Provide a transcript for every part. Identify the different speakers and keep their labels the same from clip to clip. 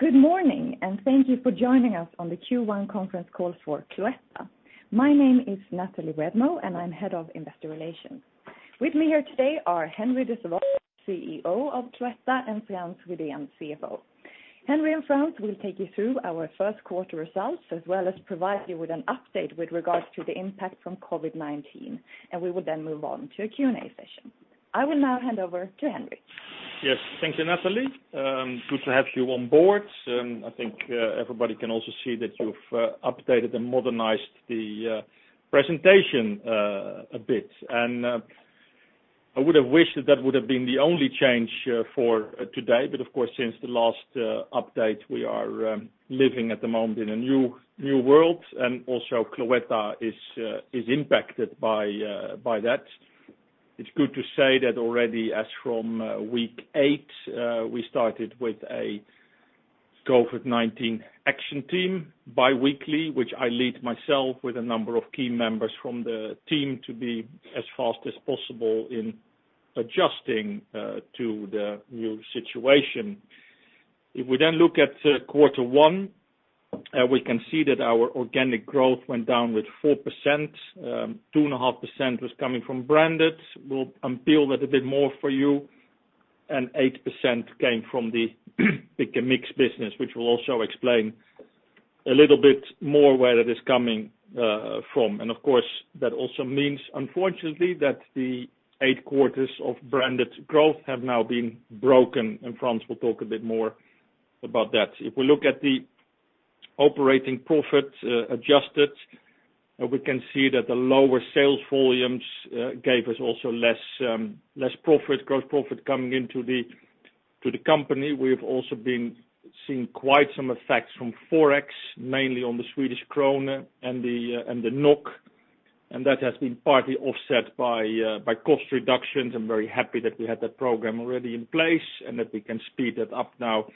Speaker 1: Good morning, and thank you for joining us on the Q1 conference call for Cloetta. My name is Nathalie Redmo, and I'm head of investor relations. With me here today are Henri de Sauvage, CEO of Cloetta, and Frans Rydén, CFO. Henri and Frans will take you through our first quarter results, as well as provide you with an update with regards to the impact from COVID-19, and we will then move on to a Q&A session. I will now hand over to Henri.
Speaker 2: Yes, thank you, Nathalie. Good to have you on board. I think everybody can also see that you've updated and modernized the presentation a bit, and I would have wished that that would have been the only change for today, but of course, since the last update, we are living at the moment in a new world, and also Cloetta is impacted by that. It's good to say that already as from week eight, we started with a COVID-19 action team biweekly, which I lead myself with a number of key members from the team to be as fast as possible in adjusting to the new situation. If we then look at quarter one, we can see that our organic growth went down with 4%. 2.5% was coming from branded. We'll unveil that a bit more for you. And 8% came from the mixed business, which will also explain a little bit more where that is coming from. And of course, that also means, unfortunately, that the eight quarters of branded growth have now been broken, and Frans will talk a bit more about that. If we look at the operating profit adjusted, we can see that the lower sales volumes gave us also less profit, gross profit coming into the company. We have also been seeing quite some effects from Forex, mainly on the Swedish Krona and the NOK, and that has been partly offset by cost reductions. I'm very happy that we had that program already in place and that we can speed that up now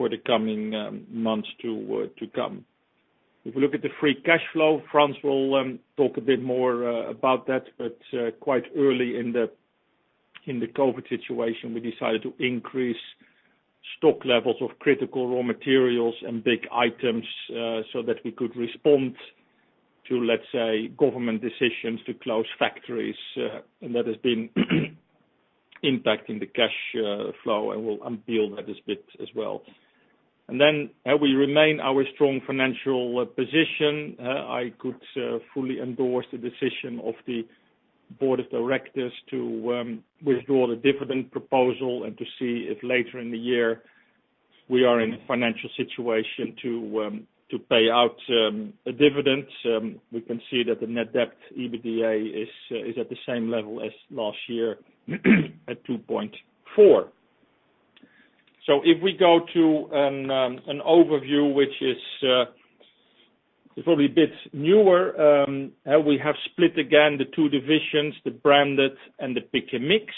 Speaker 2: for the coming months to come. If we look at the free cash flow, Frans will talk a bit more about that, but quite early in the COVID-19 situation, we decided to increase stock levels of critical raw materials and big items so that we could respond to, let's say, government decisions to close factories, and that has been impacting the cash flow, and we'll unveil that a bit as well. And then how we maintain our strong financial position, I could fully endorse the decision of the board of directors to withdraw the dividend proposal and to see if later in the year we are in a financial situation to pay out dividends. We can see that the net debt/EBITDA is at the same level as last year at 2.4. So if we go to an overview, which is probably a bit newer, how we have split again the two divisions, the branded and the pick and mix,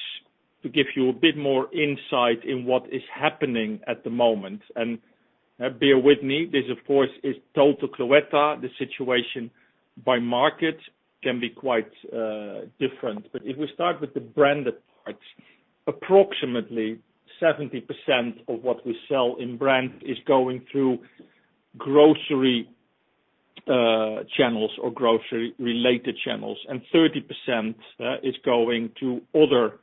Speaker 2: to give you a bit more insight in what is happening at the moment. And bear with me, this, of course, is total Cloetta. The situation by market can be quite different. But if we start with the branded parts, approximately 70% of what we sell in branded is going through grocery channels or grocery-related channels, and 30% is going to other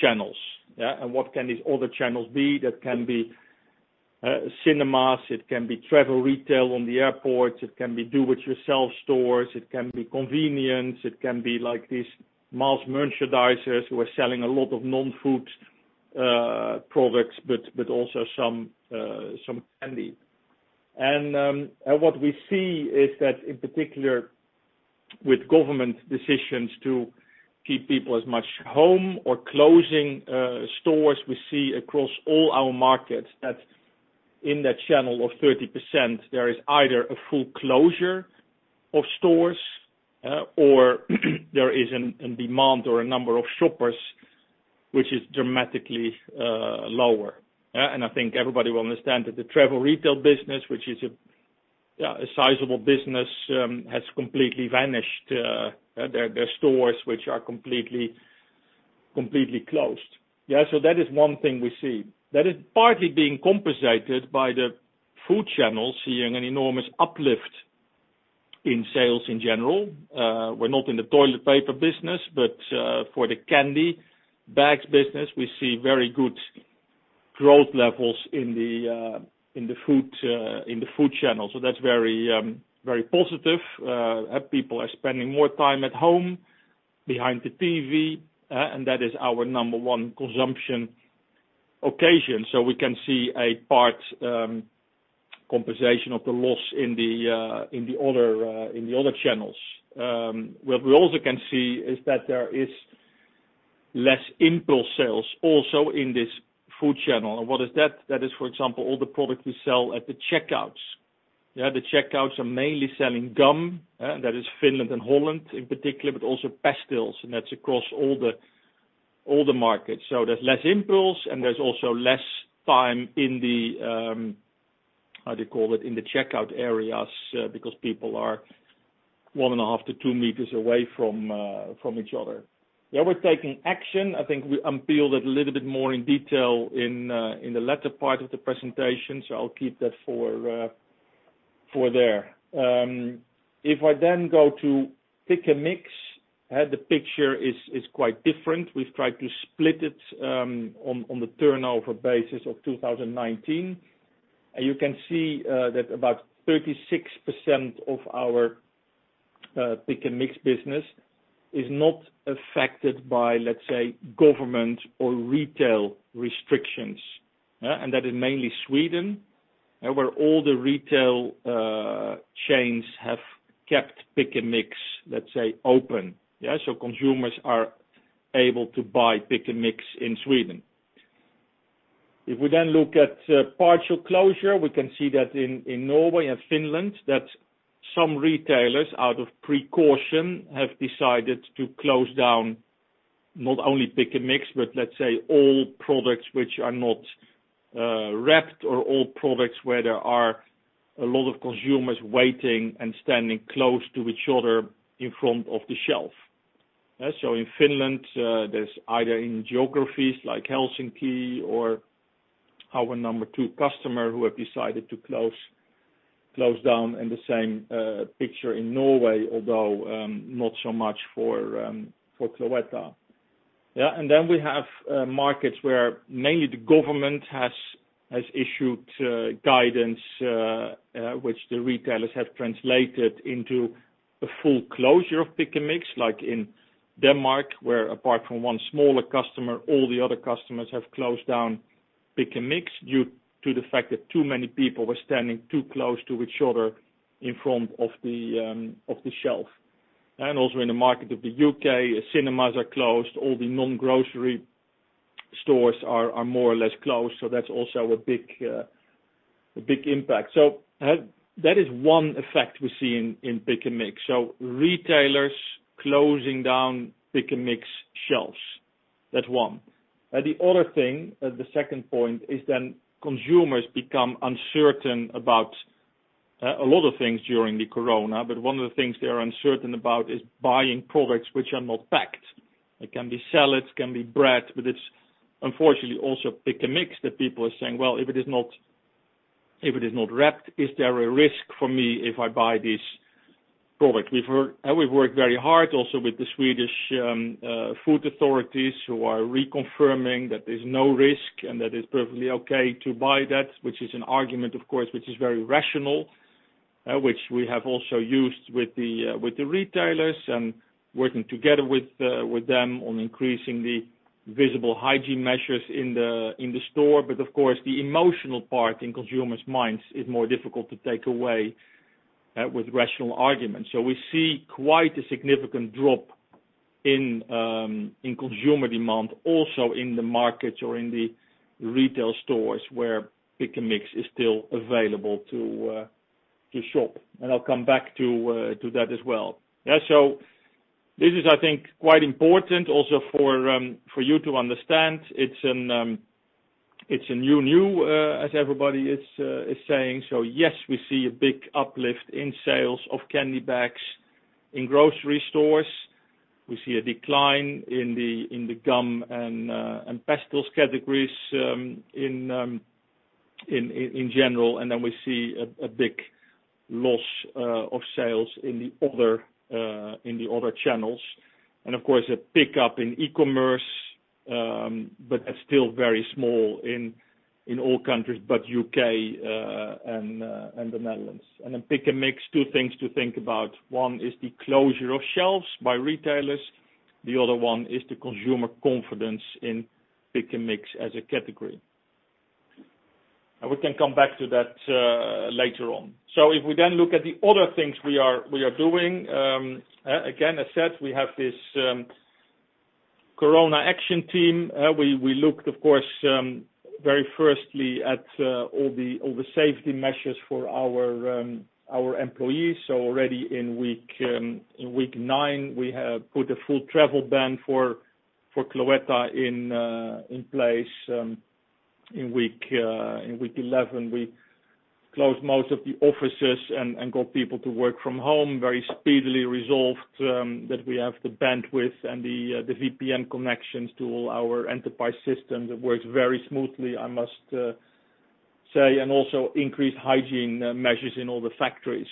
Speaker 2: channels. And what can these other channels be? That can be cinemas, it can be travel retail on the airports, it can be do-it-yourself stores, it can be convenience, it can be like these mass merchandisers who are selling a lot of non-food products, but also some candy. And what we see is that, in particular, with government decisions to keep people as much home or closing stores, we see across all our markets that in that channel of 30%, there is either a full closure of stores or there is a demand or a number of shoppers, which is dramatically lower. And I think everybody will understand that the travel retail business, which is a sizable business, has completely vanished. Their stores which are completely closed. So that is one thing we see. That is partly being compensated by the food channels seeing an enormous uplift in sales in general. We're not in the toilet paper business, but for the candy bags business, we see very good growth levels in the food channels. So that's very positive. People are spending more time at home, behind the TV, and that is our number one consumption occasion. We can see a part compensation of the loss in the other channels. What we also can see is that there is less impulse sales also in this food channel. And what is that? That is, for example, all the products we sell at the checkouts. The checkouts are mainly selling gum, that is Finland and Holland in particular, but also pastilles, and that's across all the markets. So there's less impulse, and there's also less time in the, how do you call it, in the checkout areas because people are one and a half to two meters away from each other. Yeah, we're taking action. I think we unveiled it a little bit more in detail in the latter part of the presentation, so I'll keep that for there. If I then go to pick and mix, the picture is quite different. We've tried to split it on the turnover basis of 2019, and you can see that about 36% of our pick and mix business is not affected by, let's say, government or retail restrictions. That is mainly Sweden, where all the retail chains have kept pick and mix, let's say, open. Consumers are able to buy pick and mix in Sweden. If we then look at partial closure, we can see that in Norway and Finland, some retailers, out of precaution, have decided to close down not only pick and mix, but let's say all products which are not wrapped or all products where there are a lot of consumers waiting and standing close to each other in front of the shelf. In Finland, there is either in geographies like Helsinki or our number two customer who have decided to close down in the same picture in Norway, although not so much for Cloetta. Then we have markets where mainly the government has issued guidance, which the retailers have translated into a full closure of pick and mix, like in Denmark, where apart from one smaller customer, all the other customers have closed down pick and mix due to the fact that too many people were standing too close to each other in front of the shelf. Also in the market of the U.K., cinemas are closed, all the non-grocery stores are more or less closed, so that is also a big impact. That is one effect we see in pick and mix. Retailers closing down pick and mix shelves, that is one. The other thing, the second point, is then consumers become uncertain about a lot of things during the corona, but one of the things they are uncertain about is buying products which are not packed. It can be salads, it can be bread, but it's unfortunately also pick and mix that people are saying, "Well, if it is not wrapped, is there a risk for me if I buy this product?" We've worked very hard also with the Swedish food authorities who are reconfirming that there's no risk and that it's perfectly okay to buy that, which is an argument, of course, which is very rational, which we have also used with the retailers and working together with them on increasing the visible hygiene measures in the store. But of course, the emotional part in consumers' minds is more difficult to take away with rational arguments. So we see quite a significant drop in consumer demand also in the markets or in the retail stores where pick and mix is still available to shop, and I'll come back to that as well, so this is, I think, quite important also for you to understand. It's a new normal, as everybody is saying, so yes, we see a big uplift in sales of candy bags in grocery stores. We see a decline in the gum and pastilles categories in general, and then we see a big loss of sales in the other channels, and of course, a pickup in e-commerce, but that's still very small in all countries but U.K. and the Netherlands, and then pick and mix, two things to think about. One is the closure of shelves by retailers. The other one is the consumer confidence in pick and mix as a category. We can come back to that later on. If we then look at the other things we are doing, again, as said, we have this corona action team. We looked, of course, very firstly at all the safety measures for our employees. Already in week nine, we put a full travel ban for Cloetta in place. In week 11, we closed most of the offices and got people to work from home. Very speedily resolved that we have the bandwidth and the VPN connections to all our enterprise systems that works very smoothly, I must say, and also increased hygiene measures in all the factories.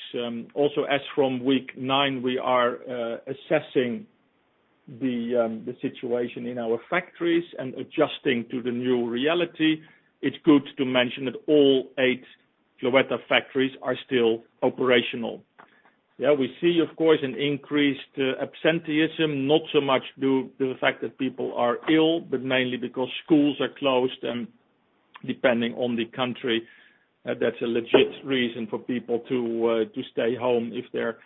Speaker 2: Also, as from week nine, we are assessing the situation in our factories and adjusting to the new reality. It's good to mention that all eight Cloetta factories are still operational. We see, of course, an increased absenteeism, not so much due to the fact that people are ill, but mainly because schools are closed and depending on the country, that's a legit reason for people to stay home if their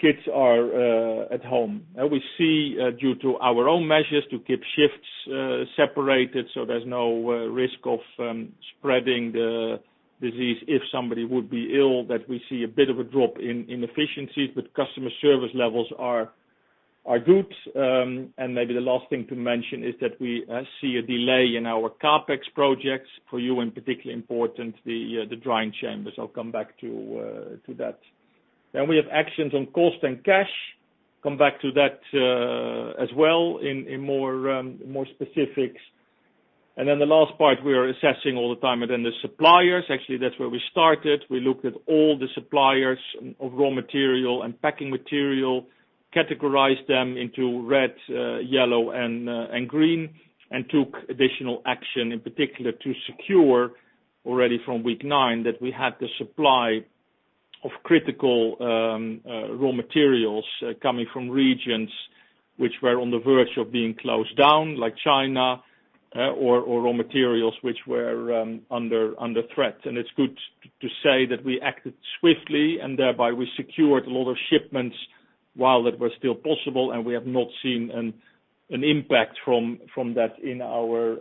Speaker 2: kids are at home. We see, due to our own measures, to keep shifts separated so there's no risk of spreading the disease if somebody would be ill, that we see a bit of a drop in efficiencies, but customer service levels are good. And maybe the last thing to mention is that we see a delay in our CapEx projects. For you, in particular, important the drying chambers. I'll come back to that. Then we have actions on cost and cash. Come back to that as well in more specifics. And then the last part we are assessing all the time are then the suppliers. Actually, that's where we started. We looked at all the suppliers of raw material and packing material, categorized them into red, yellow, and green, and took additional action, in particular, to secure already from week nine that we had the supply of critical raw materials coming from regions which were on the verge of being closed down, like China or raw materials which were under threat, and it's good to say that we acted swiftly and thereby we secured a lot of shipments while that was still possible, and we have not seen an impact from that in our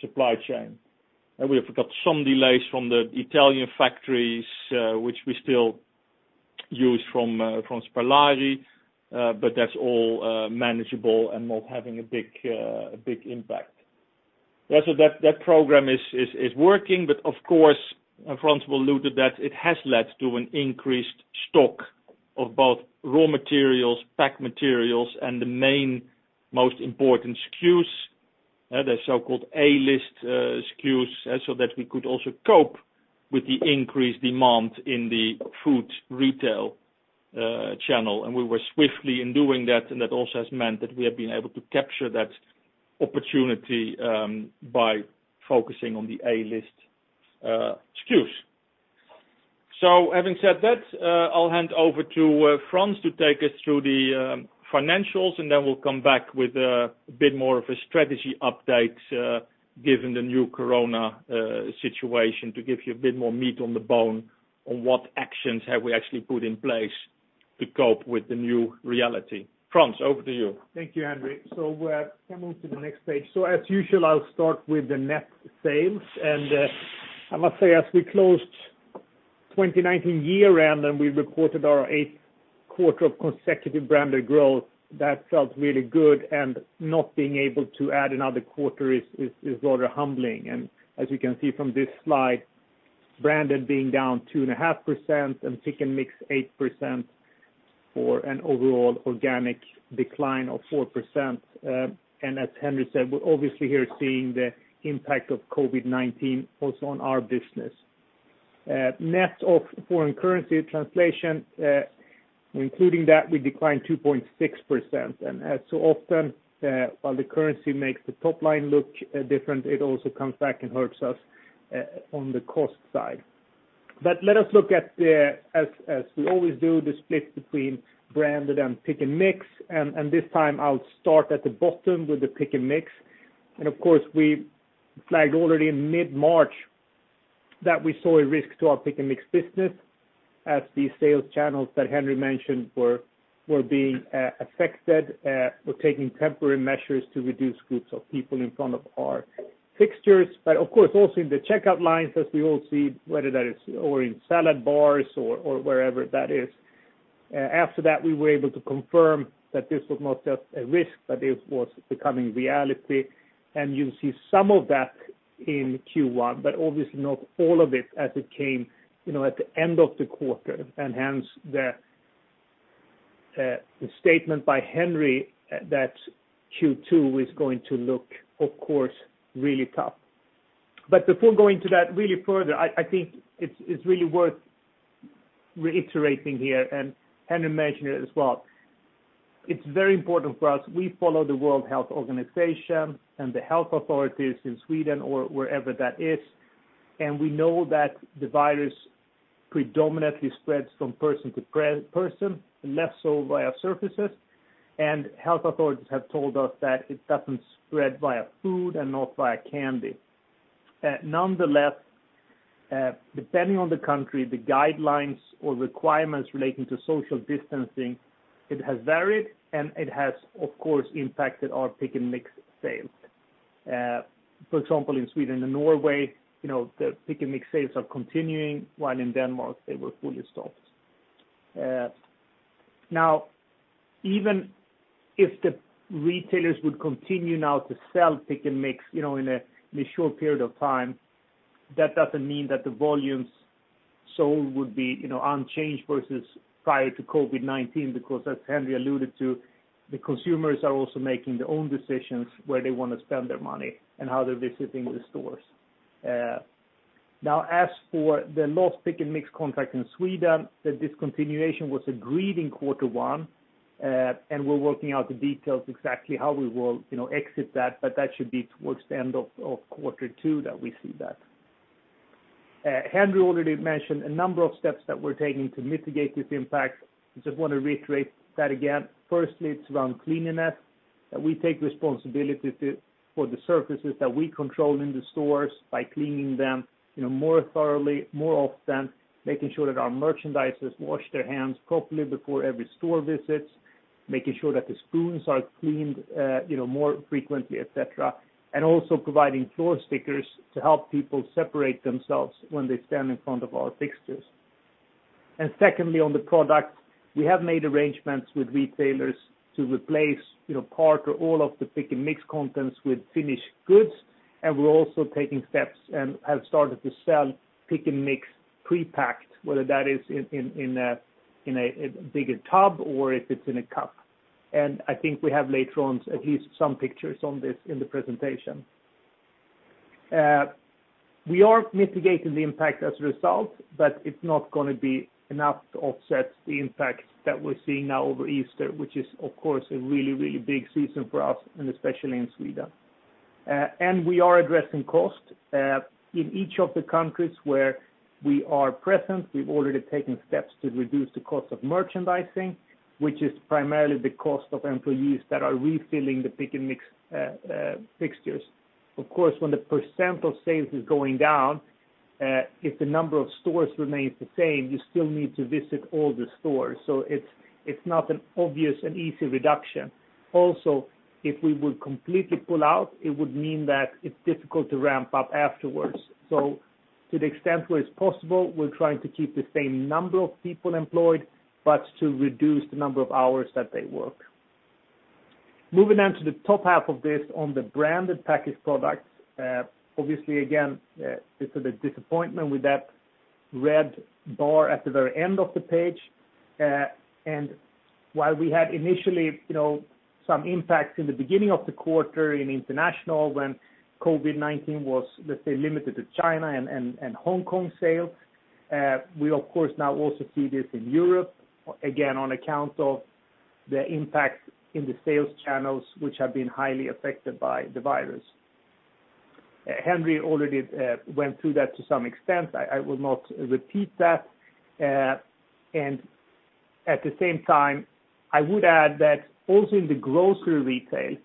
Speaker 2: supply chain. And we have got some delays from the Italian factories, which we still use from Sperlari, but that's all manageable and not having a big impact. So that program is working, but of course, and Frans will allude to that, it has led to an increased stock of both raw materials, pack materials, and the main most important SKUs, the so-called A-list SKUs, so that we could also cope with the increased demand in the food retail channel. And we were swiftly in doing that, and that also has meant that we have been able to capture that opportunity by focusing on the A-list SKUs. So having said that, I'll hand over to Frans to take us through the financials, and then we'll come back with a bit more of a strategy update given the new corona situation to give you a bit more meat on the bone on what actions have we actually put in place to cope with the new reality. Frans, over to you.
Speaker 3: Thank you, Henri. So we can move to the next stage. So as usual, I'll start with the net sales. And I must say, as we closed 2019 year-end and we reported our eighth quarter of consecutive branded growth, that felt really good, and not being able to add another quarter is rather humbling. And as you can see from this slide, branded being down 2.5% and pick and mix 8% for an overall organic decline of 4%. And as Henri said, we're obviously here seeing the impact of COVID-19 also on our business. Net of foreign currency translation, including that, we declined 2.6%. And as so often, while the currency makes the top line look different, it also comes back and hurts us on the cost side. But let us look at, as we always do, the split between branded and pick and mix. And this time, I'll start at the bottom with the pick and mix. And of course, we flagged already in mid-March that we saw a risk to our pick and mix business as the sales channels that Henri mentioned were being affected. We're taking temporary measures to reduce groups of people in front of our fixtures. But of course, also in the checkout lines, as we all see, whether that is in salad bars or wherever that is. After that, we were able to confirm that this was not just a risk, but it was becoming reality. And you'll see some of that in Q1, but obviously not all of it as it came at the end of the quarter. And hence the statement by Henri that Q2 is going to look, of course, really tough. But before going to that really further, I think it's really worth reiterating here, and Henri mentioned it as well. It's very important for us. We follow the World Health Organization and the health authorities in Sweden or wherever that is. And we know that the virus predominantly spreads from person to person, less so via surfaces. And health authorities have told us that it doesn't spread via food and not via candy. Nonetheless, depending on the country, the guidelines or requirements relating to social distancing, it has varied, and it has, of course, impacted our pick and mix sales. For example, in Sweden and Norway, the pick and mix sales are continuing, while in Denmark, they were fully stopped. Now, even if the retailers would continue now to sell pick and mix in a short period of time, that doesn't mean that the volumes sold would be unchanged versus prior to COVID-19, because as Henri alluded to, the consumers are also making their own decisions where they want to spend their money and how they're visiting the stores. Now, as for the lost pick and mix contract in Sweden, the discontinuation was agreed in quarter one, and we're working out the details exactly how we will exit that, but that should be towards the end of quarter two that we see that. Henri already mentioned a number of steps that we're taking to mitigate this impact. I just want to reiterate that again. Firstly, it's around cleanliness. We take responsibility for the surfaces that we control in the stores by cleaning them more thoroughly, more often, making sure that our merchandisers wash their hands properly before every store visit, making sure that the spoons are cleaned more frequently, etc., and also providing floor stickers to help people separate themselves when they stand in front of our fixtures. And secondly, on the product, we have made arrangements with retailers to replace part or all of the pick and mix contents with finished goods. And we're also taking steps and have started to sell pick and mix pre-packed, whether that is in a bigger tub or if it's in a cup. And I think we have later on at least some pictures on this in the presentation. We are mitigating the impact as a result, but it's not going to be enough to offset the impact that we're seeing now over Easter, which is, of course, a really, really big season for us, and especially in Sweden, and we are addressing cost. In each of the countries where we are present, we've already taken steps to reduce the cost of merchandising, which is primarily the cost of employees that are refilling the pick and mix fixtures. Of course, when the percent of sales is going down, if the number of stores remains the same, you still need to visit all the stores, so it's not an obvious and easy reduction. Also, if we would completely pull out, it would mean that it's difficult to ramp up afterwards. To the extent where it's possible, we're trying to keep the same number of people employed, but to reduce the number of hours that they work. Moving on to the top half of this on the branded packaged products. Obviously, again, it's a disappointment with that red bar at the very end of the page. And while we had initially some impacts in the beginning of the quarter in international when COVID-19 was, let's say, limited to China and Hong Kong sales, we, of course, now also see this in Europe, again, on account of the impact in the sales channels, which have been highly affected by the virus. Henri already went through that to some extent. I will not repeat that. And at the same time, I would add that also in the grocery retail,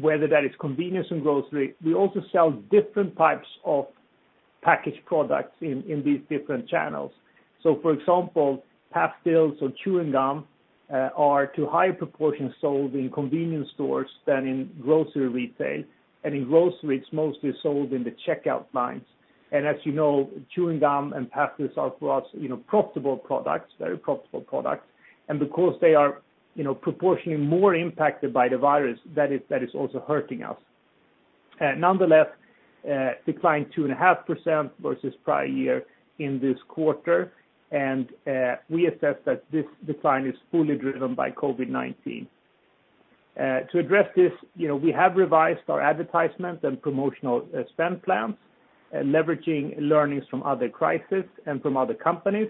Speaker 3: whether that is convenience and grocery, we also sell different types of package products in these different channels. So, for example, pastilles or chewing gum are to a higher proportion sold in convenience stores than in grocery retail. And in grocery, it's mostly sold in the checkout lines. And as you know, chewing gum and pastilles are for us profitable products, very profitable products. And because they are proportionally more impacted by the virus, that is also hurting us. Nonetheless, declined 2.5% versus prior year in this quarter. And we assess that this decline is fully driven by COVID-19. To address this, we have revised our advertisement and promotional spend plans, leveraging learnings from other crises and from other companies,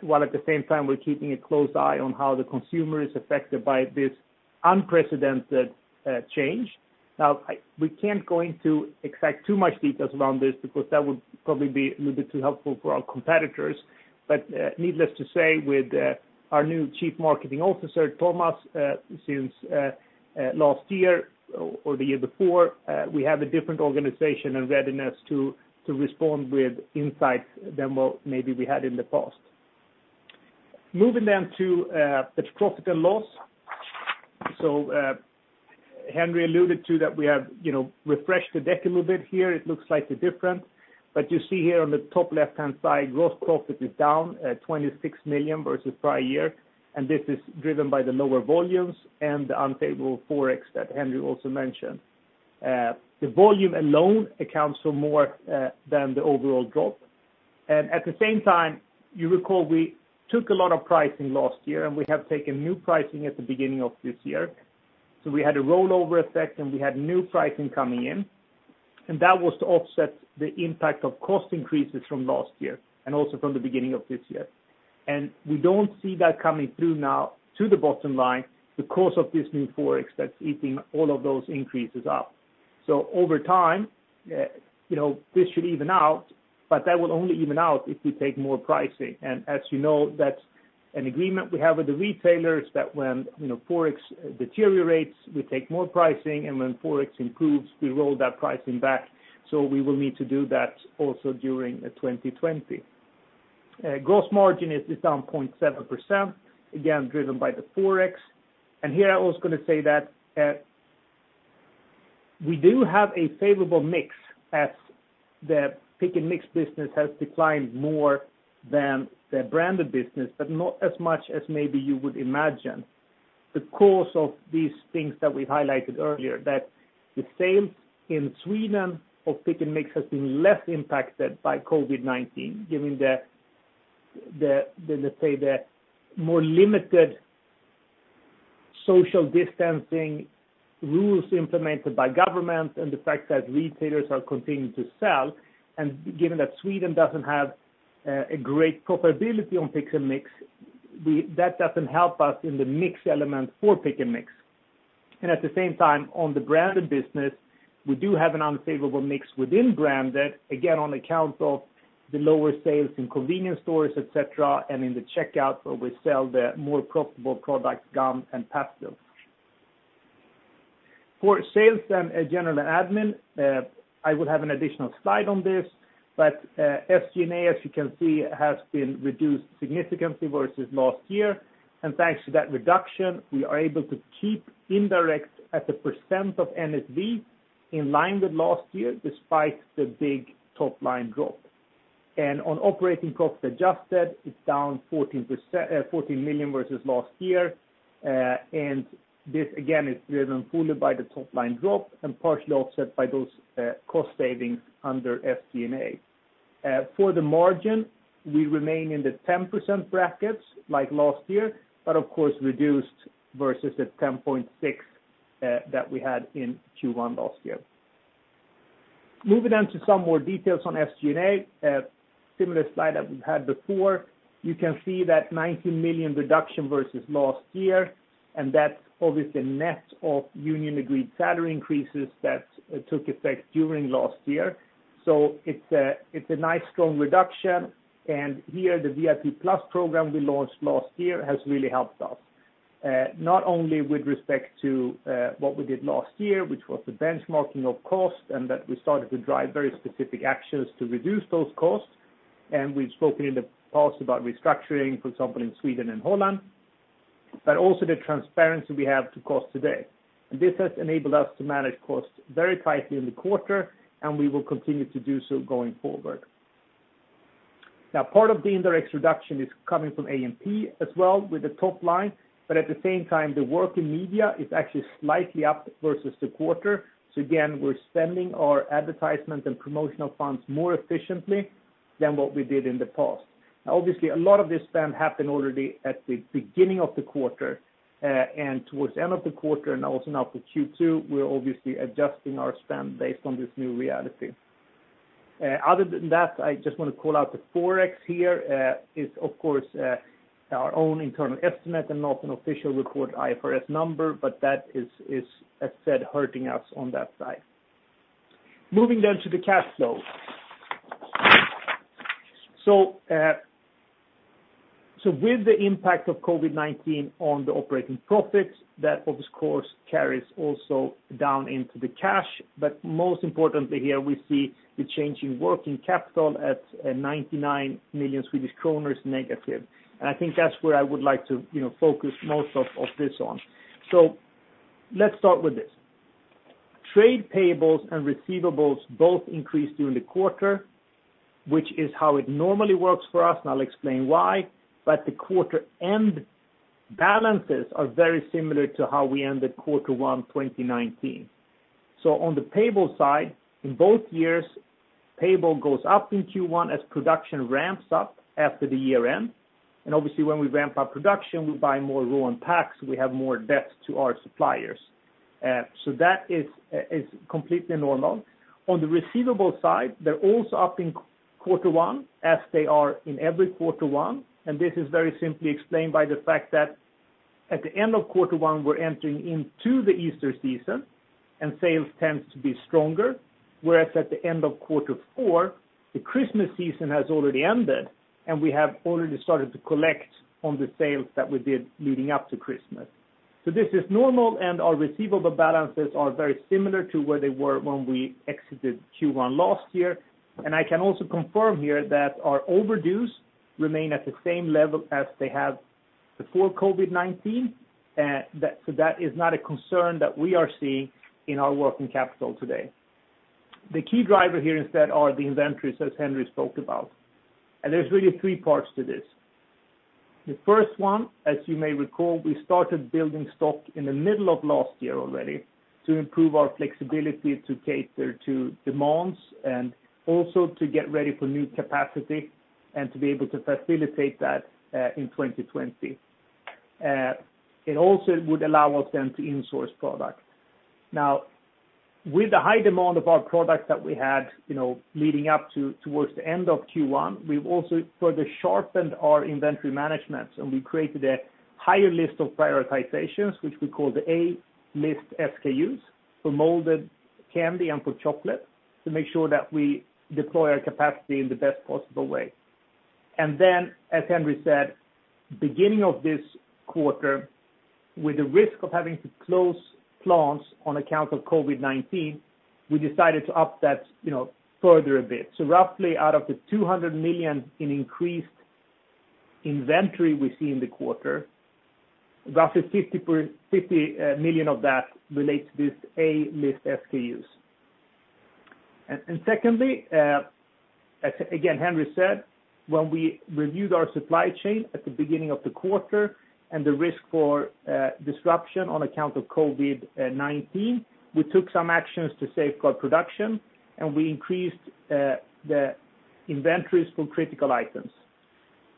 Speaker 3: while at the same time, we're keeping a close eye on how the consumer is affected by this unprecedented change. Now, we can't go into exact too much details around this because that would probably be a little bit too helpful for our competitors. But needless to say, with our new Chief Marketing Officer, Thomas, since last year or the year before, we have a different organization and readiness to respond with insights than maybe we had in the past. Moving then to the profit and loss. So Henri alluded to that we have refreshed the deck a little bit here. It looks slightly different. But you see here on the top left-hand side, gross profit is down 26 million versus prior year. This is driven by the lower volumes and the unstable forex that Henri also mentioned. The volume alone accounts for more than the overall drop. At the same time, you recall we took a lot of pricing last year, and we have taken new pricing at the beginning of this year. We had a rollover effect, and we had new pricing coming in. That was to offset the impact of cost increases from last year and also from the beginning of this year. We don't see that coming through now to the bottom line because of this new forex that's eating all of those increases up. Over time, this should even out, but that will only even out if we take more pricing. As you know, that's an agreement we have with the retailers that when forex deteriorates, we take more pricing, and when forex improves, we roll that pricing back. We will need to do that also during 2020. Gross margin is down 0.7%, again, driven by the forex. Here, I was going to say that we do have a favorable mix as the pick and mix business has declined more than the branded business, but not as much as maybe you would imagine. Because of these things that we highlighted earlier, that the sales in Sweden of pick and mix has been less impacted by COVID-19, given the, let's say, the more limited social distancing rules implemented by government and the fact that retailers are continuing to sell. And given that Sweden doesn't have a great profitability on pick and mix, that doesn't help us in the mix element for pick and mix. And at the same time, on the branded business, we do have an unfavorable mix within branded, again, on account of the lower sales in convenience stores, etc., and in the checkout where we sell the more profitable products, gum and pastilles. For sales and general admin, I will have an additional slide on this. But SG&A, as you can see, has been reduced significantly versus last year. And thanks to that reduction, we are able to keep indirect at a % of NSV in line with last year, despite the big top line drop. And on operating profit adjusted, it's down 14 million versus last year. This, again, is driven fully by the top line drop and partially offset by those cost savings under SG&A. For the margin, we remain in the 10% brackets like last year, but of course, reduced versus the 10.6 that we had in Q1 last year. Moving on to some more details on SG&A, similar slide that we've had before. You can see that 19 million reduction versus last year. That's obviously net of union-agreed salary increases that took effect during last year. So it's a nice strong reduction. Here, the VIP+ program we launched last year has really helped us, not only with respect to what we did last year, which was the benchmarking of cost and that we started to drive very specific actions to reduce those costs. And we've spoken in the past about restructuring, for example, in Sweden and Holland, but also the transparency we have to cost today. And this has enabled us to manage costs very tightly in the quarter, and we will continue to do so going forward. Now, part of the indirect reduction is coming from A&P as well with the top line. But at the same time, the working media is actually slightly up versus the quarter. So again, we're spending our advertisement and promotional funds more efficiently than what we did in the past. Now, obviously, a lot of this spend happened already at the beginning of the quarter and towards the end of the quarter. And also now for Q2, we're obviously adjusting our spend based on this new reality. Other than that, I just want to call out the forex here. It's, of course, our own internal estimate and not an official report IFRS number, but that is, as said, hurting us on that side. Moving down to the cash flow. So with the impact of COVID-19 on the operating profits, that, of course, carries also down into the cash. But most importantly here, we see the change in working capital at 99 million Swedish kronor, negative. And I think that's where I would like to focus most of this on. So let's start with this. Trade payables and receivables both increased during the quarter, which is how it normally works for us. And I'll explain why. But the quarter-end balances are very similar to how we ended quarter one 2019. So on the payable side, in both years, payable goes up in Q1 as production ramps up after the year end. Obviously, when we ramp up production, we buy more raw and packs. We have more debt to our suppliers. So that is completely normal. On the receivable side, they're also up in quarter one as they are in every quarter one. And this is very simply explained by the fact that at the end of quarter one, we're entering into the Easter season, and sales tend to be stronger, whereas at the end of quarter four, the Christmas season has already ended, and we have already started to collect on the sales that we did leading up to Christmas. So this is normal, and our receivable balances are very similar to where they were when we exited Q1 last year. And I can also confirm here that our overdues remain at the same level as they had before COVID-19. That is not a concern that we are seeing in our working capital today. The key driver here instead are the inventories, as Henri spoke about. There's really three parts to this. The first one, as you may recall, we started building stock in the middle of last year already to improve our flexibility to cater to demands and also to get ready for new capacity and to be able to facilitate that in 2020. It also would allow us then to insource product. Now, with the high demand of our products that we had leading up to the end of Q1, we've also further sharpened our inventory management, and we created a higher list of prioritizations, which we call the A-list SKUs for molded candy and for chocolate, to make sure that we deploy our capacity in the best possible way. And then, as Henri said, beginning of this quarter, with the risk of having to close plants on account of COVID-19, we decided to up that further a bit. So roughly out of the 200 million in increased inventory we see in the quarter, roughly 50 million of that relates to these A-list SKUs. And secondly, as again Henri said, when we reviewed our supply chain at the beginning of the quarter and the risk for disruption on account of COVID-19, we took some actions to safeguard production, and we increased the inventories for critical items.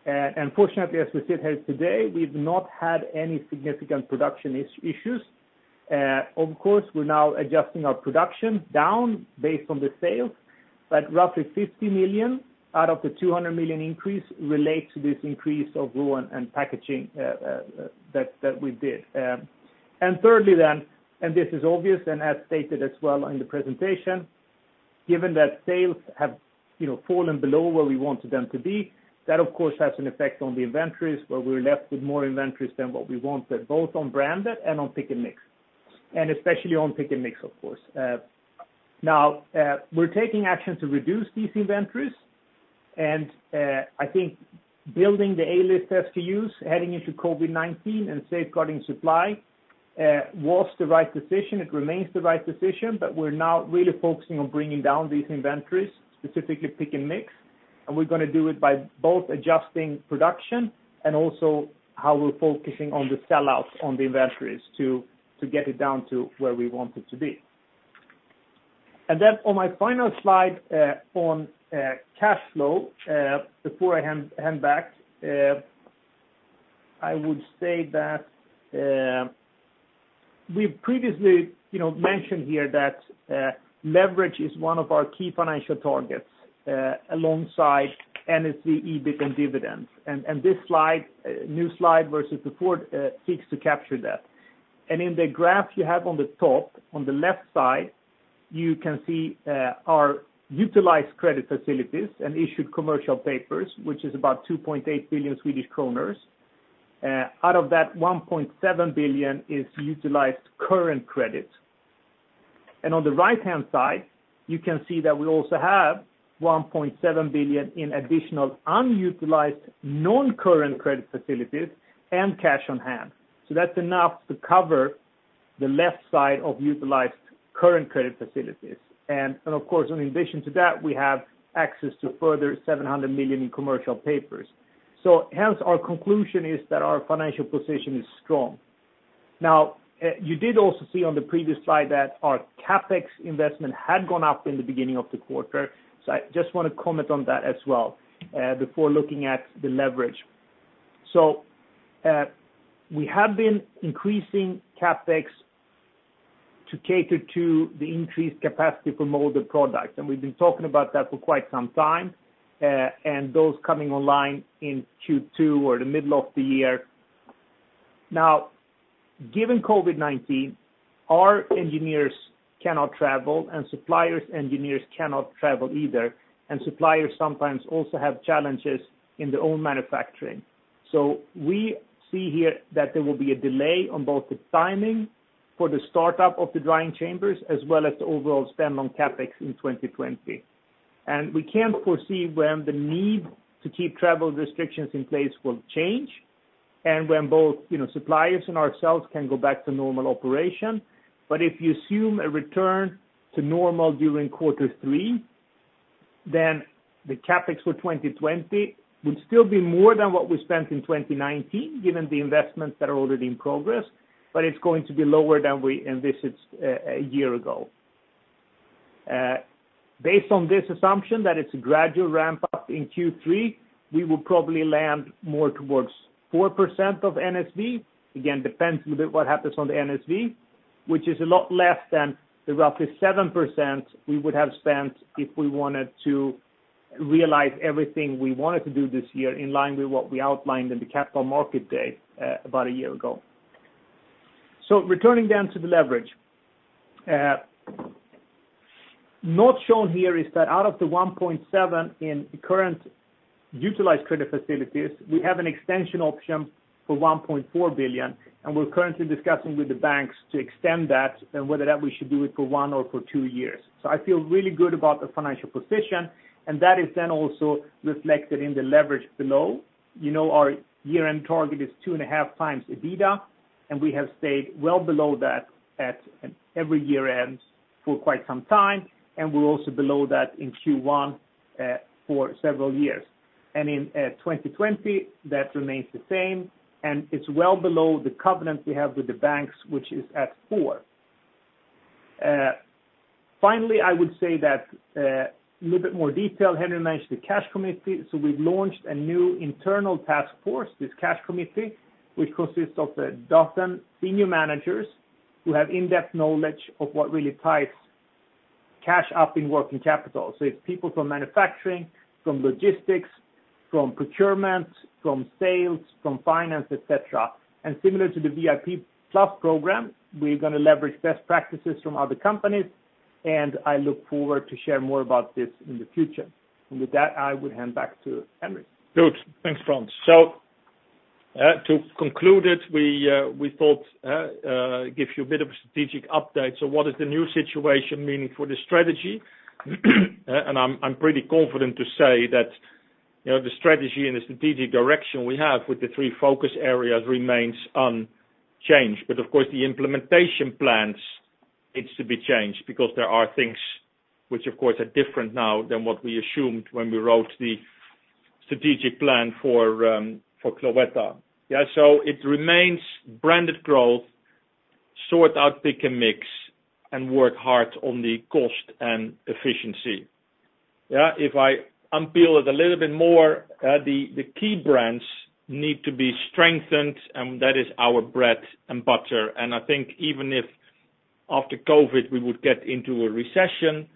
Speaker 3: And fortunately, as we sit here today, we've not had any significant production issues. Of course, we're now adjusting our production down based on the sales, but roughly 50 million out of the 200 million increase relates to this increase of raw and packaging that we did. And thirdly then, and this is obvious and as stated as well in the presentation, given that sales have fallen below where we wanted them to be, that, of course, has an effect on the inventories where we're left with more inventories than what we wanted, both on branded and on pick and mix, and especially on pick and mix, of course. Now, we're taking action to reduce these inventories. And I think building the A-list SKUs, heading into COVID-19, and safeguarding supply was the right decision. It remains the right decision, but we're now really focusing on bringing down these inventories, specifically pick and mix. And we're going to do it by both adjusting production and also how we're focusing on the sellout on the inventories to get it down to where we want it to be. And then on my final slide on cash flow, before I hand back, I would say that we've previously mentioned here that leverage is one of our key financial targets alongside NSV, EBIT, and dividends. And in the graph you have on the top, on the left side, you can see our utilized credit facilities and issued commercial papers, which is about 2.8 billion Swedish kronor. Out of that, 1.7 billion is utilized current credit. And on the right-hand side, you can see that we also have 1.7 billion in additional unutilized non-current credit facilities and cash on hand. So that's enough to cover the left side of utilized current credit facilities. And of course, in addition to that, we have access to further 700 million in commercial papers. So hence, our conclusion is that our financial position is strong. Now, you did also see on the previous slide that our CapEx investment had gone up in the beginning of the quarter, so I just want to comment on that as well before looking at the leverage. So we have been increasing CapEx to cater to the increased capacity for molded products, and we've been talking about that for quite some time, and those coming online in Q2 or the middle of the year. Now, given COVID-19, our engineers cannot travel, and suppliers' engineers cannot travel either, and suppliers sometimes also have challenges in their own manufacturing, so we see here that there will be a delay on both the timing for the startup of the drying chambers as well as the overall spend on CapEx in 2020. We can't foresee when the need to keep travel restrictions in place will change and when both suppliers and ourselves can go back to normal operation. If you assume a return to normal during quarter three, then the CapEx for 2020 would still be more than what we spent in 2019, given the investments that are already in progress, but it's going to be lower than we envisioned a year ago. Based on this assumption that it's a gradual ramp-up in Q3, we will probably land more towards 4% of NSV. Again, depends a little bit what happens on the NSV, which is a lot less than the roughly 7% we would have spent if we wanted to realize everything we wanted to do this year in line with what we outlined in the capital market day about a year ago. So returning then to the leverage, not shown here is that out of the 1.7 billion in current utilized credit facilities, we have an extension option for 1.4 billion, and we're currently discussing with the banks to extend that and whether that we should do it for one or for two years. So I feel really good about the financial position, and that is then also reflected in the leverage below. Our year-end target is two and a half times EBITDA, and we have stayed well below that at every year-end for quite some time. And we're also below that in Q1 for several years. And in 2020, that remains the same, and it's well below the covenant we have with the banks, which is at four. Finally, I would say that a little bit more detail. Henri mentioned the cash committee. We've launched a new internal task force, this cash committee, which consists of the top ten senior managers who have in-depth knowledge of what really ties cash up in working capital. It's people from manufacturing, from logistics, from procurement, from sales, from finance, etc. And similar to the VIP Plus program, we're going to leverage best practices from other companies, and I look forward to sharing more about this in the future. And with that, I would hand back to Henri.
Speaker 2: Thanks, Frans. To conclude it, we thought to give you a bit of a strategic update. What is the new situation meaning for the strategy? And I'm pretty confident to say that the strategy and the strategic direction we have with the three focus areas remains unchanged. But of course, the implementation plans need to be changed because there are things which, of course, are different now than what we assumed when we wrote the strategic plan for Cloetta. Yeah. So it remains branded growth, sort out pick and mix, and work hard on the cost and efficiency. Yeah. If I unpeel it a little bit more, the key brands need to be strengthened, and that is our bread and butter. And I think even if after COVID-19 we would get into a recession,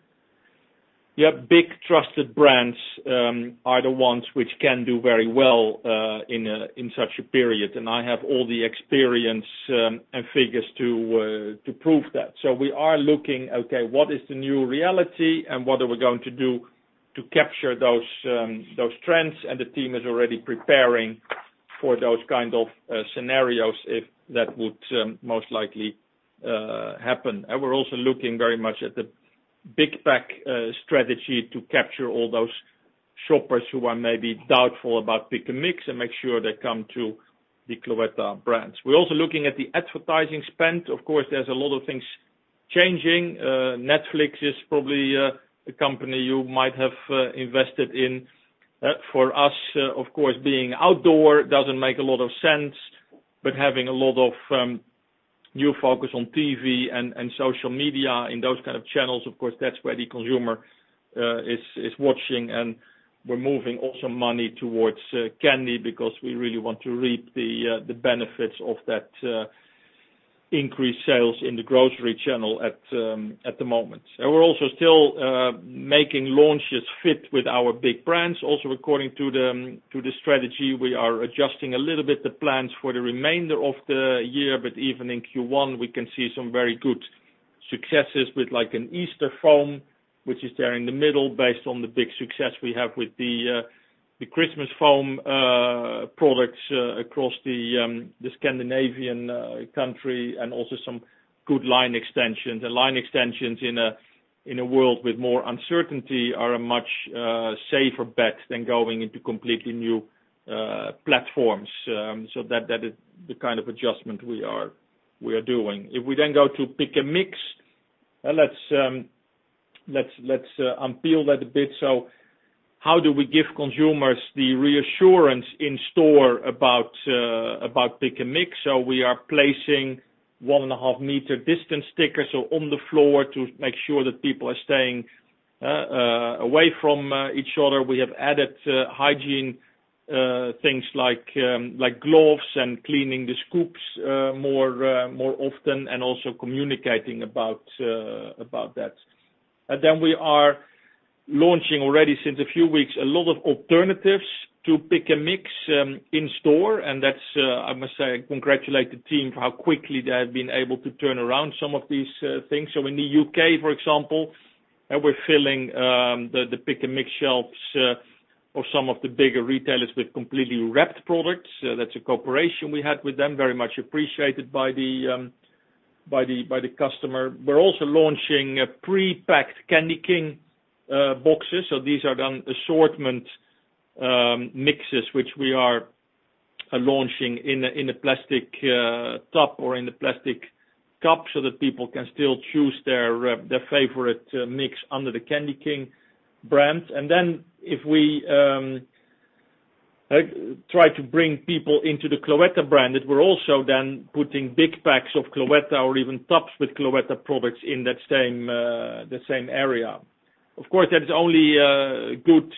Speaker 2: yeah, big trusted brands are the ones which can do very well in such a period. And I have all the experience and figures to prove that. So we are looking, okay, what is the new reality, and what are we going to do to capture those trends? The team is already preparing for those kind of scenarios if that would most likely happen. We're also looking very much at the big-pack strategy to capture all those shoppers who are maybe doubtful about pick and mix and make sure they come to the Cloetta brands. We're also looking at the advertising spend. Of course, there's a lot of things changing. Netflix is probably a company you might have invested in. For us, of course, being outdoor doesn't make a lot of sense, but having a lot of new focus on TV and social media in those kind of channels, of course, that's where the consumer is watching. We're moving also money towards candy because we really want to reap the benefits of that increased sales in the grocery channel at the moment. We're also still making launches fit with our big brands. Also, according to the strategy, we are adjusting a little bit the plans for the remainder of the year, but even in Q1, we can see some very good successes with an Easter foam, which is there in the middle based on the big success we have with the Christmas foam products across the Scandinavian country and also some good line extensions, and line extensions in a world with more uncertainty are a much safer bet than going into completely new platforms, so that is the kind of adjustment we are doing. If we then go to pick and mix, let's unpeel that a bit, so how do we give consumers the reassurance in store about pick and mix, so we are placing 1.5-meter distance stickers on the floor to make sure that people are staying away from each other. We have added hygiene things like gloves and cleaning the scoops more often and also communicating about that. And then we are launching already since a few weeks a lot of alternatives to pick and mix in store. And I must say, I congratulate the team for how quickly they have been able to turn around some of these things. So in the U.K., for example, we're filling the pick and mix shelves of some of the bigger retailers with completely wrapped products. That's a cooperation we had with them, very much appreciated by the customer. We're also launching pre-packed Candy King boxes. So these are then assortment mixes, which we are launching in a plastic tub or in a plastic cup so that people can still choose their favorite mix under the Candy King brand. And then if we try to bring people into the Cloetta brand, we're also then putting big packs of Cloetta or even tubs with Cloetta products in the same area. Of course, that is only good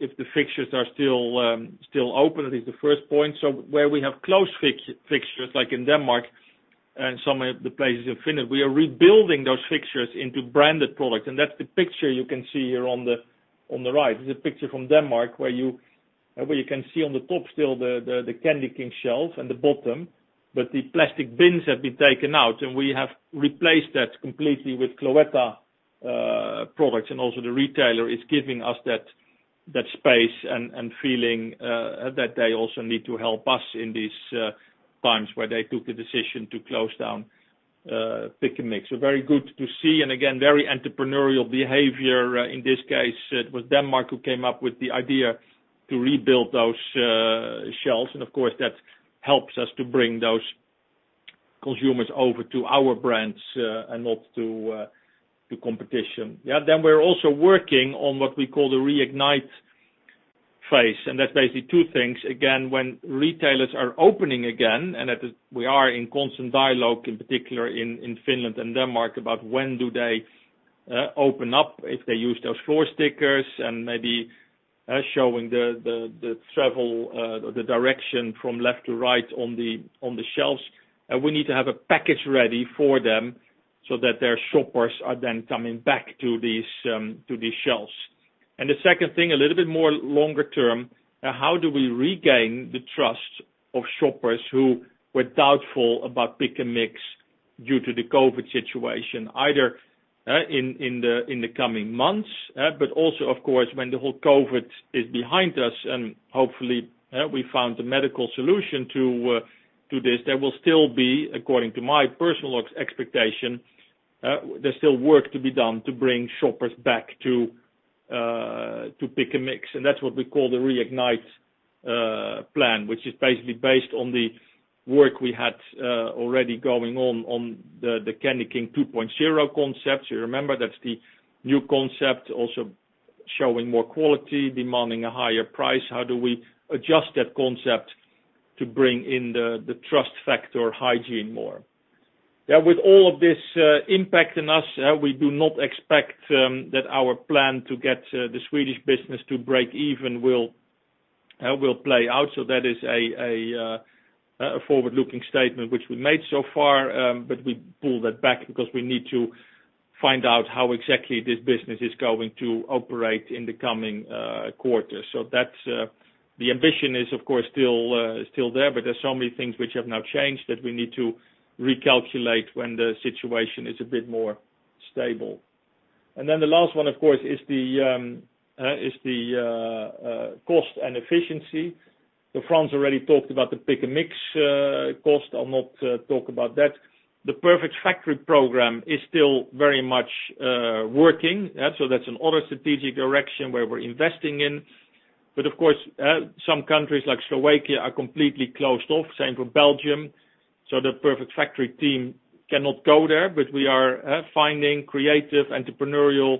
Speaker 2: if the fixtures are still open, at least the first point. So where we have closed fixtures like in Denmark and some of the places in Finland, we are rebuilding those fixtures into branded products. And that's the picture you can see here on the right. It's a picture from Denmark where you can see on the top still the Candy King shelf and the bottom, but the plastic bins have been taken out, and we have replaced that completely with Cloetta products. And also the retailer is giving us that space and feeling that they also need to help us in these times where they took the decision to close down pick and mix. So very good to see. And again, very entrepreneurial behavior. In this case, it was Denmark who came up with the idea to rebuild those shelves. And of course, that helps us to bring those consumers over to our brands and not to competition. Yeah. Then we're also working on what we call the reignite phase. And that's basically two things. Again, when retailers are opening again, and we are in constant dialogue, in particular in Finland and Denmark, about when do they open up, if they use those floor stickers and maybe showing the travel or the direction from left to right on the shelves. We need to have a package ready for them so that their shoppers are then coming back to these shelves and the second thing, a little bit more longer term, how do we regain the trust of shoppers who were doubtful about pick and mix due to the COVID situation, either in the coming months. But also, of course, when the whole COVID is behind us and hopefully we found a medical solution to this, there will still be, according to my personal expectation, there's still work to be done to bring shoppers back to pick and mix and that's what we call the reignite plan, which is basically based on the work we had already going on on the Candy King 2.0 concept, so remember, that's the new concept, also showing more quality, demanding a higher price. How do we adjust that concept to bring in the trust factor hygiene more. With all of this impact on us, we do not expect that our plan to get the Swedish business to break even will play out. So that is a forward-looking statement which we made so far, but we pull that back because we need to find out how exactly this business is going to operate in the coming quarter. So the ambition is, of course, still there, but there's so many things which have now changed that we need to recalculate when the situation is a bit more stable. And then the last one, of course, is the cost and efficiency. So Frans already talked about the pick and mix cost. I'll not talk about that. The Perfect Factory program is still very much working. So that's another strategic direction where we're investing in. But of course, some countries like Slovakia are completely closed off, same for Belgium. So the Perfect Factory team cannot go there, but we are finding creative entrepreneurial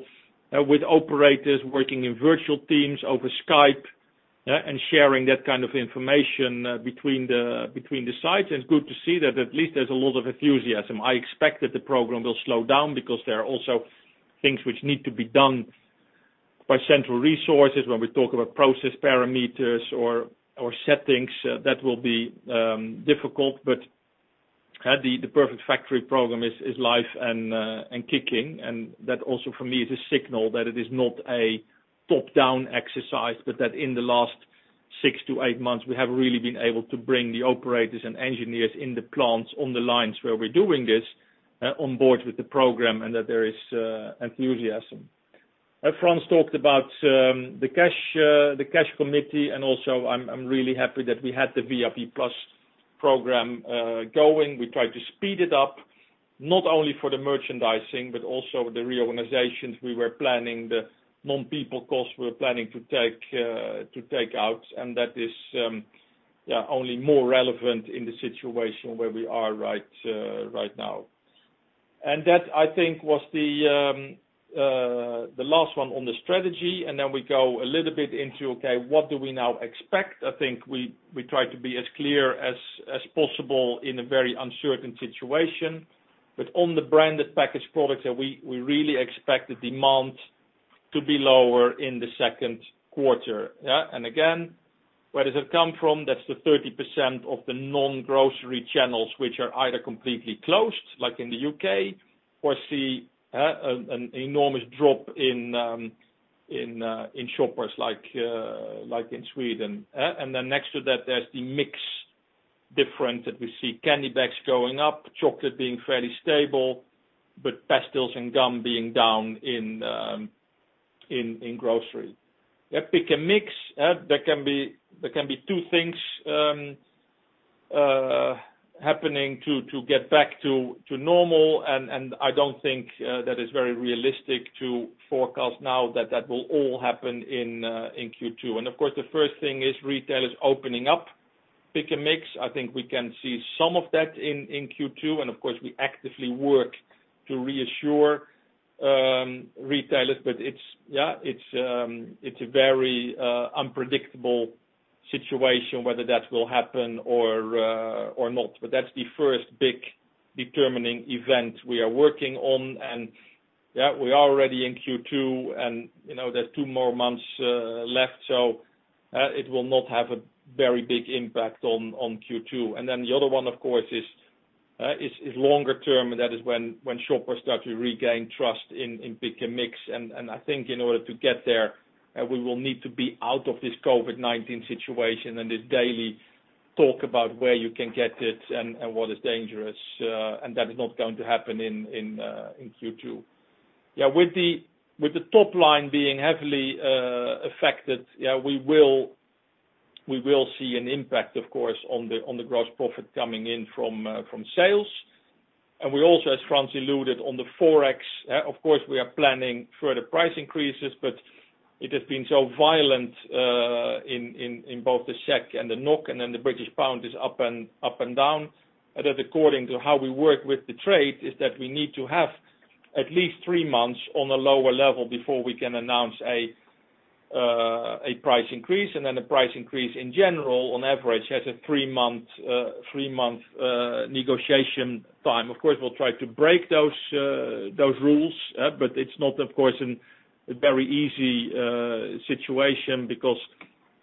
Speaker 2: with operators working in virtual teams over Skype and sharing that kind of information between the sites. And it's good to see that at least there's a lot of enthusiasm. I expect that the program will slow down because there are also things which need to be done by central resources when we talk about process parameters or settings. That will be difficult, but the Perfect Factory program is live and kicking. And that also for me is a signal that it is not a top-down exercise, but that in the last six to eight months, we have really been able to bring the operators and engineers in the plants on the lines where we're doing this on board with the program and that there is enthusiasm. Frans talked about the cash committee, and also I'm really happy that we had the VIP Plus program going. We tried to speed it up, not only for the merchandising, but also the reorganizations we were planning, the non-people costs we were planning to take out. And that is only more relevant in the situation where we are right now. And that, I think, was the last one on the strategy. And then we go a little bit into, okay, what do we now expect? I think we tried to be as clear as possible in a very uncertain situation, but on the branded packaged products, we really expect the demand to be lower in the second quarter. Yeah, and again, where does it come from? That's the 30% of the non-grocery channels which are either completely closed, like in the U.K., or see an enormous drop in shoppers like in Sweden, and then next to that, there's the mix difference that we see candy bags going up, chocolate being fairly stable, but pastilles and gum being down in grocery. Yeah. Pick and mix. There can be two things happening to get back to normal, and I don't think that is very realistic to forecast now that that will all happen in Q2, and of course, the first thing is retailers opening up pick and mix. I think we can see some of that in Q2. And of course, we actively work to reassure retailers, but yeah, it's a very unpredictable situation whether that will happen or not. But that's the first big determining event we are working on. And yeah, we are already in Q2, and there's two more months left, so it will not have a very big impact on Q2. And then the other one, of course, is longer term, and that is when shoppers start to regain trust in pick and mix. And I think in order to get there, we will need to be out of this COVID-19 situation and this daily talk about where you can get it and what is dangerous. And that is not going to happen in Q2. Yeah. With the top line being heavily affected, yeah, we will see an impact, of course, on the gross profit coming in from sales. We also, as Frans alluded, on the forex, of course, we are planning further price increases, but it has been so violent in both the SEK and the NOK, and then the British pound is up and down. That's according to how we work with the trade, is that we need to have at least three months on a lower level before we can announce a price increase. Then the price increase in general, on average, has a three-month negotiation time. Of course, we'll try to break those rules, but it's not, of course, a very easy situation because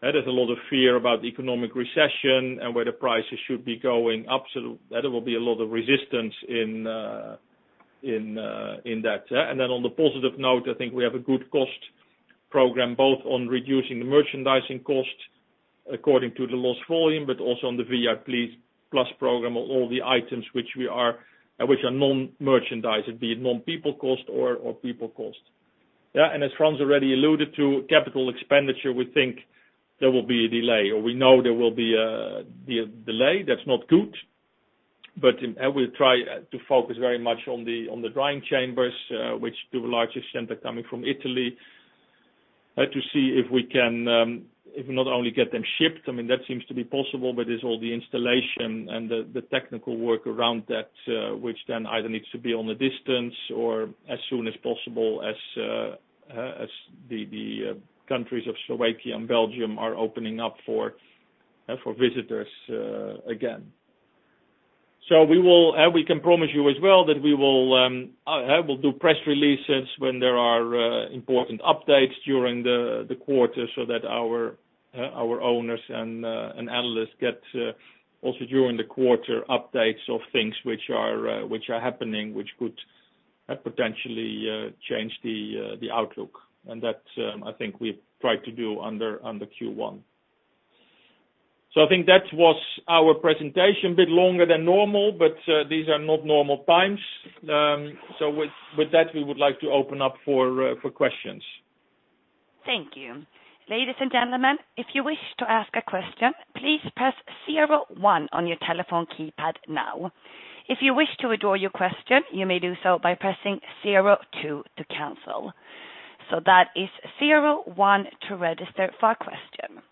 Speaker 2: there's a lot of fear about the economic recession and where the prices should be going up. So there will be a lot of resistance in that. And then on the positive note, I think we have a good cost program, both on reducing the merchandising cost according to the lost volume, but also on the VIP Plus program, all the items which are non-merchandised, be it non-people cost or people cost. Yeah. And as Frans already alluded to, capital expenditure, we think there will be a delay, or we know there will be a delay. That's not good. But we try to focus very much on the drying chambers, which to a large extent are coming from Italy, to see if we can not only get them shipped. I mean, that seems to be possible, but there's all the installation and the technical work around that, which then either needs to be on a distance or as soon as possible as the countries of Slovakia and Belgium are opening up for visitors again. So we can promise you as well that we will do press releases when there are important updates during the quarter so that our owners and analysts get also during the quarter updates of things which are happening, which could potentially change the outlook. And that, I think, we've tried to do under Q1. So I think that was our presentation, a bit longer than normal, but these are not normal times. So with that, we would like to open up for questions.
Speaker 4: Thank you. Ladies and gentlemen, if you wish to ask a question, please press 01 on your telephone keypad now. If you wish to withdraw your question, you may do so by pressing 02 to cancel. So that is 01 to register for a question.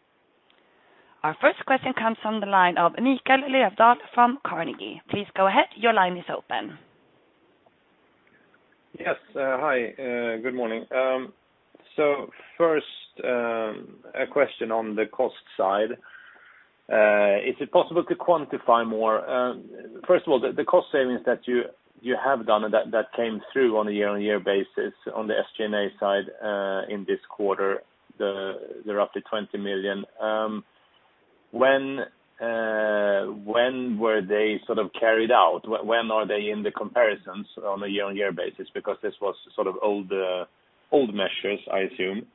Speaker 4: Our first question comes from the line of Mikael Laséen from Carnegie. Please go ahead. Your line is open.
Speaker 5: Yes. Hi. Good morning. So first, a question on the cost side. Is it possible to quantify more? First of all, the cost savings that you have done and that came through on a year-on-year basis on the SG&A side in this quarter, they're up to 20 million. When were they sort of carried out? When are they in the comparisons on a year-on-year basis? Because this was sort of old measures, I assume.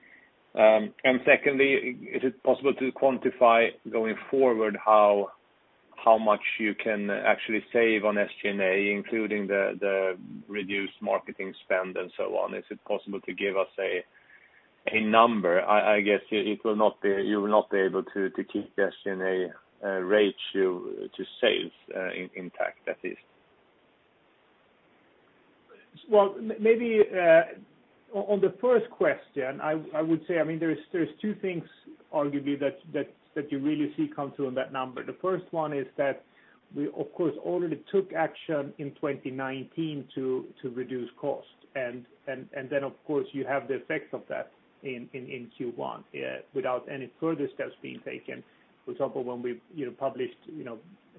Speaker 5: And secondly, is it possible to quantify going forward how much you can actually save on SG&A, including the reduced marketing spend and so on? Is it possible to give us a number? I guess you will not be able to keep the SG&A ratio to sales intact, at least.
Speaker 3: Maybe on the first question, I would say, I mean, there's two things, arguably, that you really see come through in that number. The first one is that we, of course, already took action in 2019 to reduce cost. And then, of course, you have the effects of that in Q1 without any further steps being taken. For example, when we published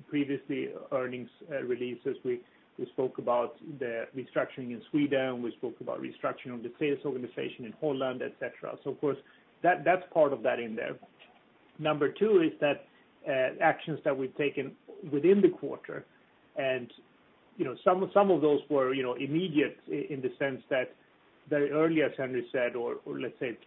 Speaker 3: previously earnings releases, we spoke about the restructuring in Sweden, we spoke about restructuring of the sales organization in Holland, etc. So of course, that's part of that in there. Number two is that actions that we've taken within the quarter. And some of those were immediate in the sense that very early, as Henri said, or let's say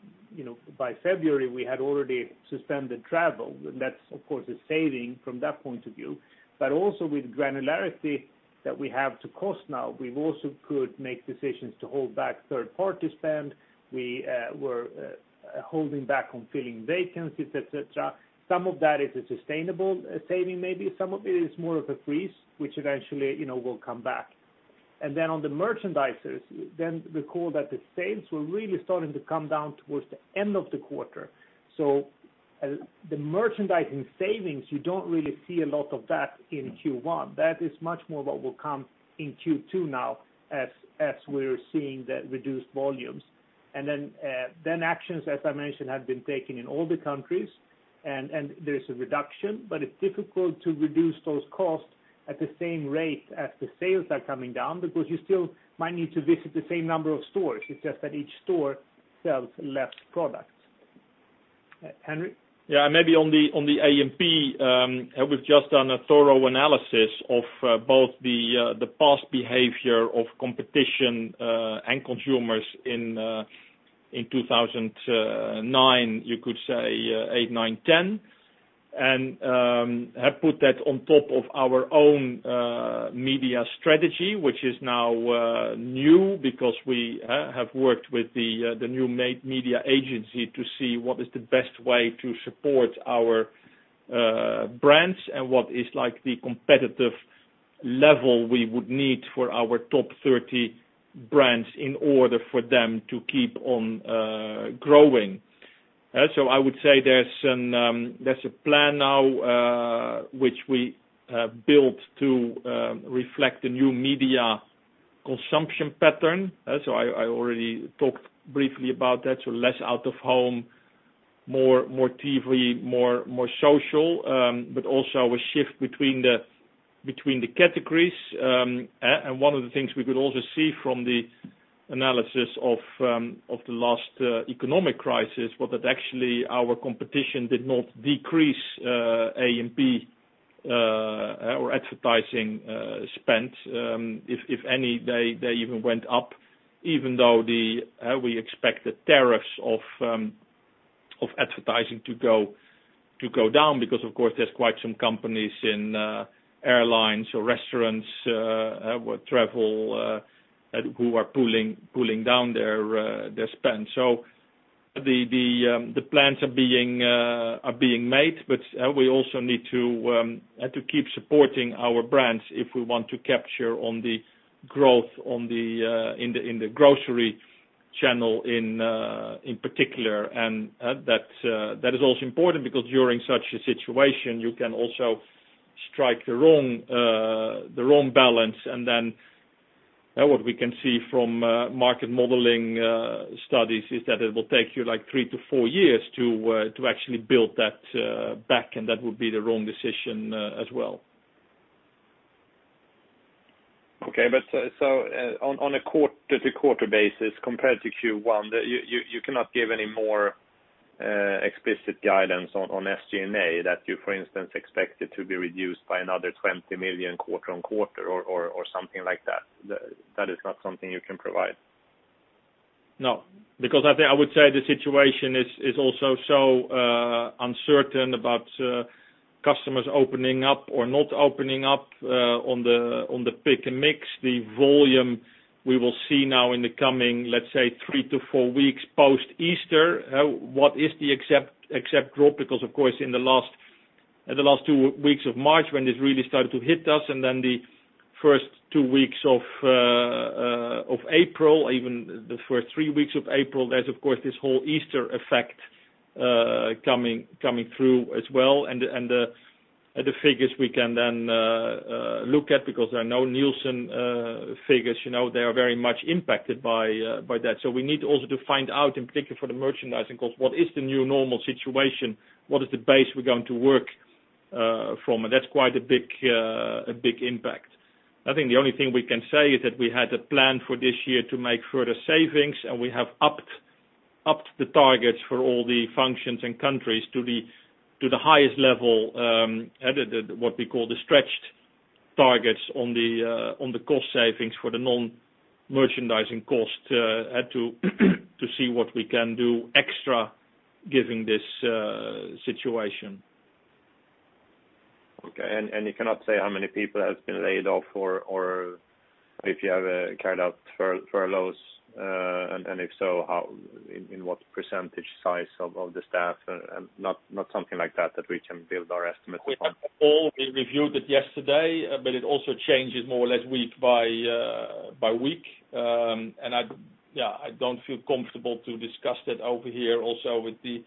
Speaker 3: by February, we had already suspended travel. And that's, of course, a saving from that point of view. But also with the granularity that we have to cost now, we've also could make decisions to hold back third-party spend. We were holding back on filling vacancies, etc. Some of that is a sustainable saving, maybe. Some of it is more of a freeze, which eventually will come back. And then on the merchandisers, then recall that the sales were really starting to come down towards the end of the quarter. So the merchandising savings, you don't really see a lot of that in Q1. That is much more what will come in Q2 now as we're seeing the reduced volumes. And then actions, as I mentioned, have been taken in all the countries, and there's a reduction, but it's difficult to reduce those costs at the same rate as the sales are coming down because you still might need to visit the same number of stores. It's just that each store sells less products. Henri?
Speaker 2: Yeah. Maybe on the A&P, we've just done a thorough analysis of both the past behavior of competition and consumers in 2009, you could say 2008, 2009, 2010, and have put that on top of our own media strategy, which is now new because we have worked with the new media agency to see what is the best way to support our brands and what is the competitive level we would need for our top 30 brands in order for them to keep on growing. So I would say there's a plan now which we built to reflect the new media consumption pattern. So I already talked briefly about that. So less out of home, more TV, more social, but also a shift between the categories. And one of the things we could also see from the analysis of the last economic crisis was that actually our competition did not decrease A&P or advertising spend. If any, they even went up, even though we expected rates of advertising to go down because, of course, there's quite some companies in airlines or restaurants or travel who are pulling down their spend. So the plans are being made, but we also need to keep supporting our brands if we want to capture on the growth in the grocery channel in particular. And that is also important because during such a situation, you can also strike the wrong balance. And then what we can see from market modeling studies is that it will take you like three to four years to actually build that back, and that would be the wrong decision as well.
Speaker 5: Okay. But so on a quarter-to-quarter basis compared to Q1, you cannot give any more explicit guidance on SG&A that you, for instance, expected to be reduced by another 20 million quarter-on-quarter or something like that. That is not something you can provide.
Speaker 2: No. Because I think I would say the situation is also so uncertain about customers opening up or not opening up on the pick and mix. The volume we will see now in the coming, let's say, three to four weeks post-Easter, what is the exact drop? Because, of course, in the last two weeks of March, when this really started to hit us, and then the first two weeks of April, even the first three weeks of April, there's, of course, this whole Easter effect coming through as well, and the figures we can then look at, because there are no Nielsen figures, they are very much impacted by that, so we need also to find out, in particular for the merchandising cost, what is the new normal situation? What is the base we're going to work from, and that's quite a big impact. I think the only thing we can say is that we had a plan for this year to make further savings, and we have upped the targets for all the functions and countries to the highest level, what we call the stretched targets on the cost savings for the non-merchandising cost to see what we can do extra given this situation.
Speaker 5: Okay. And you cannot say how many people have been laid off or if you have carried out furloughs, and if so, in what percentage size of the staff? Not something like that that we can build our estimates upon.
Speaker 2: We reviewed it yesterday, but it also changes more or less week by week, and yeah, I don't feel comfortable to discuss that over here also with the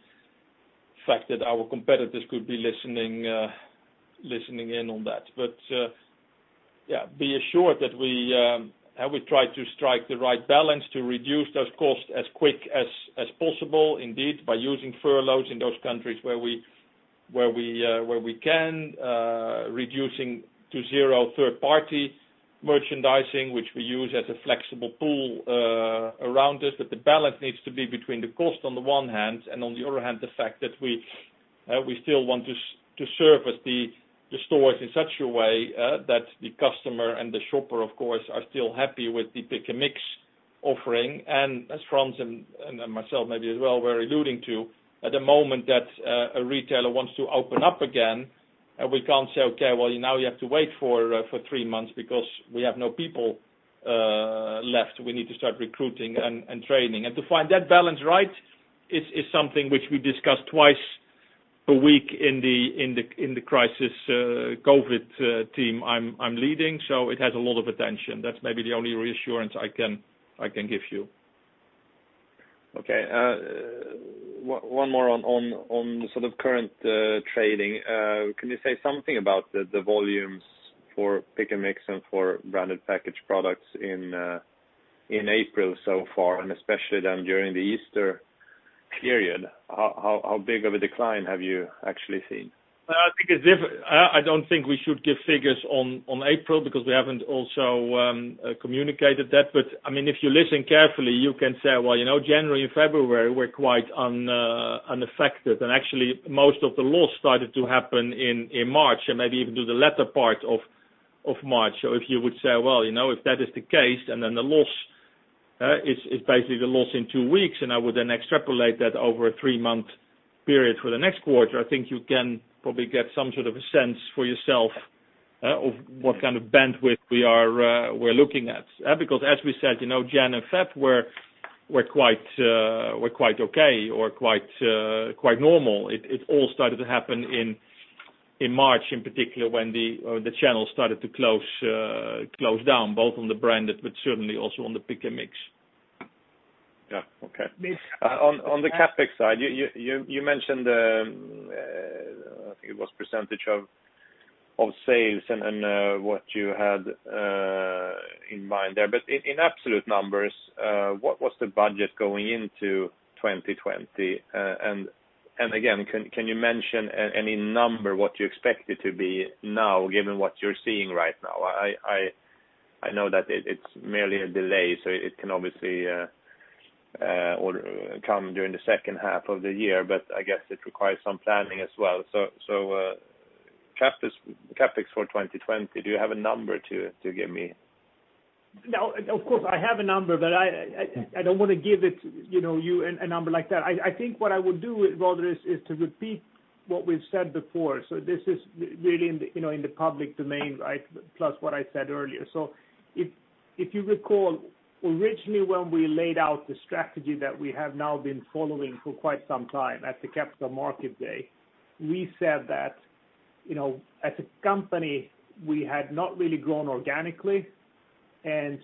Speaker 2: fact that our competitors could be listening in on that, but yeah, be assured that we try to strike the right balance to reduce those costs as quick as possible. Indeed, by using furloughs in those countries where we can, reducing to zero third-party merchandising, which we use as a flexible pool around us, but the balance needs to be between the cost on the one hand and, on the other hand, the fact that we still want to service the stores in such a way that the customer and the shopper, of course, are still happy with the pick and mix offering. As Frans and myself maybe as well were alluding to, at the moment that a retailer wants to open up again, we can't say, "Okay, well, now you have to wait for three months because we have no people left. We need to start recruiting and training." To find that balance right is something which we discuss twice a week in the crisis COVID-19 team I'm leading. It has a lot of attention. That's maybe the only reassurance I can give you.
Speaker 5: Okay. One more on the sort of current trading. Can you say something about the volumes for pick and mix and for branded package products in April so far, and especially then during the Easter period? How big of a decline have you actually seen?
Speaker 2: I think it's different. I don't think we should give figures on April because we haven't also communicated that, but I mean, if you listen carefully, you can say, "Well, January and February, we're quite unaffected," and actually, most of the loss started to happen in March and maybe even do the latter part of March, so if you would say, "Well, if that is the case". And then the loss is basically the loss in two weeks, and I would then extrapolate that over a three-month period for the next quarter, I think you can probably get some sort of a sense for yourself of what kind of bandwidth we are looking at. Because, as we said, January and February were quite okay or quite normal. It all started to happen in March, in particular, when the channels started to close down, both on the branded, but certainly also on the pick and mix.
Speaker 5: Yeah. Okay. On the CapEx side, you mentioned I think it was percentage of sales and what you had in mind there. But in absolute numbers, what was the budget going into 2020? And again, can you mention any number, what you expect it to be now, given what you're seeing right now? I know that it's merely a delay, so it can obviously come during the second half of the year, but I guess it requires some planning as well. So CapEx for 2020, do you have a number to give me?
Speaker 3: Of course, I have a number, but I don't want to give you a number like that. I think what I would do rather is to repeat what we've said before. So this is really in the public domain, right, plus what I said earlier. So if you recall, originally when we laid out the strategy that we have now been following for quite some time at the Capital Market Day, we said that as a company, we had not really grown organically. And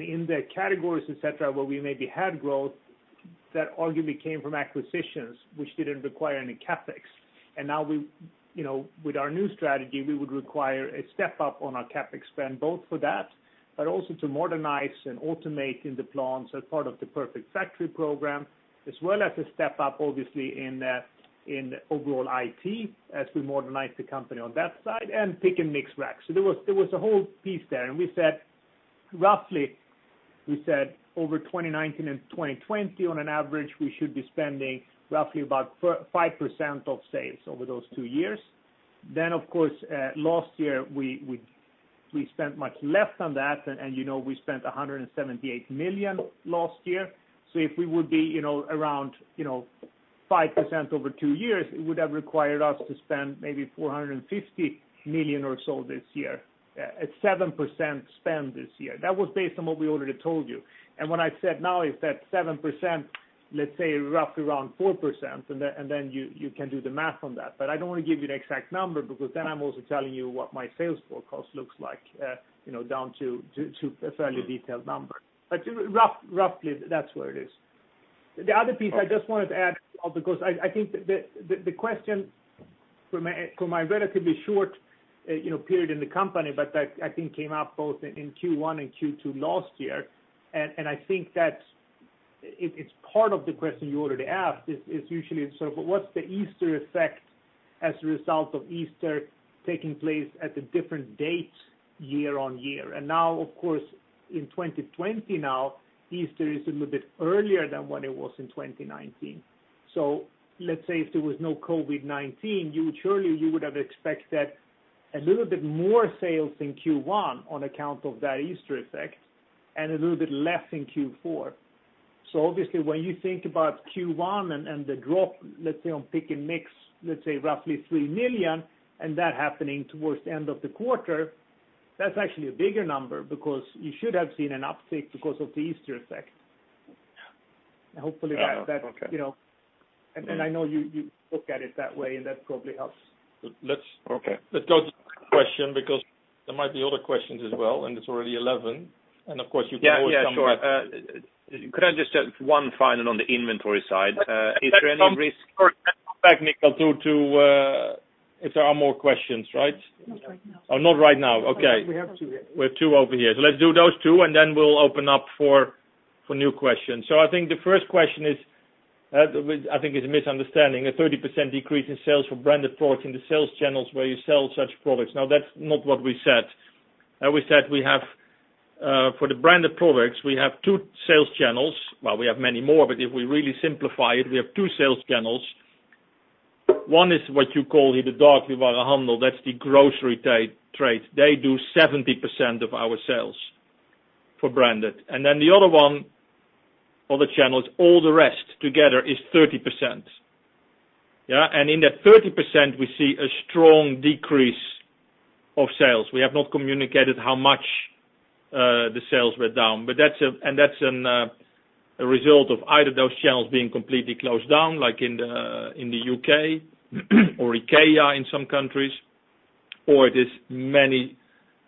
Speaker 3: in the categories, etc., where we maybe had growth, that arguably came from acquisitions, which didn't require any CapEx. And now, with our new strategy, we would require a step up on our CapEx spend, both for that, but also to modernize and automate in the plants as part of the Perfect Factory program, as well as a step up, obviously, in overall IT as we modernize the company on that side and pick and mix racks. So there was a whole piece there. And we said, roughly, we said over 2019 and 2020, on an average, we should be spending roughly about 5% of sales over those two years. Then, of course, last year, we spent much less than that, and we spent 178 million last year. So if we would be around 5% over two years, it would have required us to spend maybe 450 million or so this year, a 7% spend this year. That was based on what we already told you. And what I said now is that 7%, let's say, roughly around 4%, and then you can do the math on that. But I don't want to give you the exact number because then I'm also telling you what my sales forecast looks like down to a fairly detailed number. But roughly, that's where it is. The other piece I just wanted to add because I think the question for my relatively short period in the company, but I think came up both in Q1 and Q2 last year. And I think that it's part of the question you already asked is usually sort of what's the Easter effect as a result of Easter taking place at a different date year on year. And now, of course, in 2020 now, Easter is a little bit earlier than what it was in 2019. So let's say if there was no COVID-19, surely you would have expected a little bit more sales in Q1 on account of that Easter effect and a little bit less in Q4. So obviously, when you think about Q1 and the drop, let's say, on pick and mix, let's say, roughly three million, and that happening towards the end of the quarter, that's actually a bigger number because you should have seen an uptick because of the Easter effect. Hopefully, that.
Speaker 5: Yeah. Okay.
Speaker 3: I know you look at it that way, and that probably helps.
Speaker 2: Okay. Let's go to the question because there might be other questions as well, and it's already 11. And of course, you can always come back.
Speaker 5: Yeah. Sure. Could I just add one final on the inventory side? Is there any risk?
Speaker 2: Sorry. Back, Nicklas, if there are more questions, right?
Speaker 4: Not right now.
Speaker 2: Oh, not right now. Okay.
Speaker 3: We have two here.
Speaker 2: We have two over here. So let's do those two, and then we'll open up for new questions. So I think the first question is, I think it's a misunderstanding, a 30% decrease in sales for branded products in the sales channels where you sell such products. Now, that's not what we said. We said we have, for the branded products, we have two sales channels. Well, we have many more, but if we really simplify it, we have two sales channels. One is what you call here the Dagligvaruhandeln. That's the grocery trade. They do 70% of our sales for branded. And then the other one, other channels, all the rest together is 30%. Yeah? And in that 30%, we see a strong decrease of sales. We have not communicated how much the sales went down. That's a result of either those channels being completely closed down, like in the U.K. or IKEA in some countries, or it is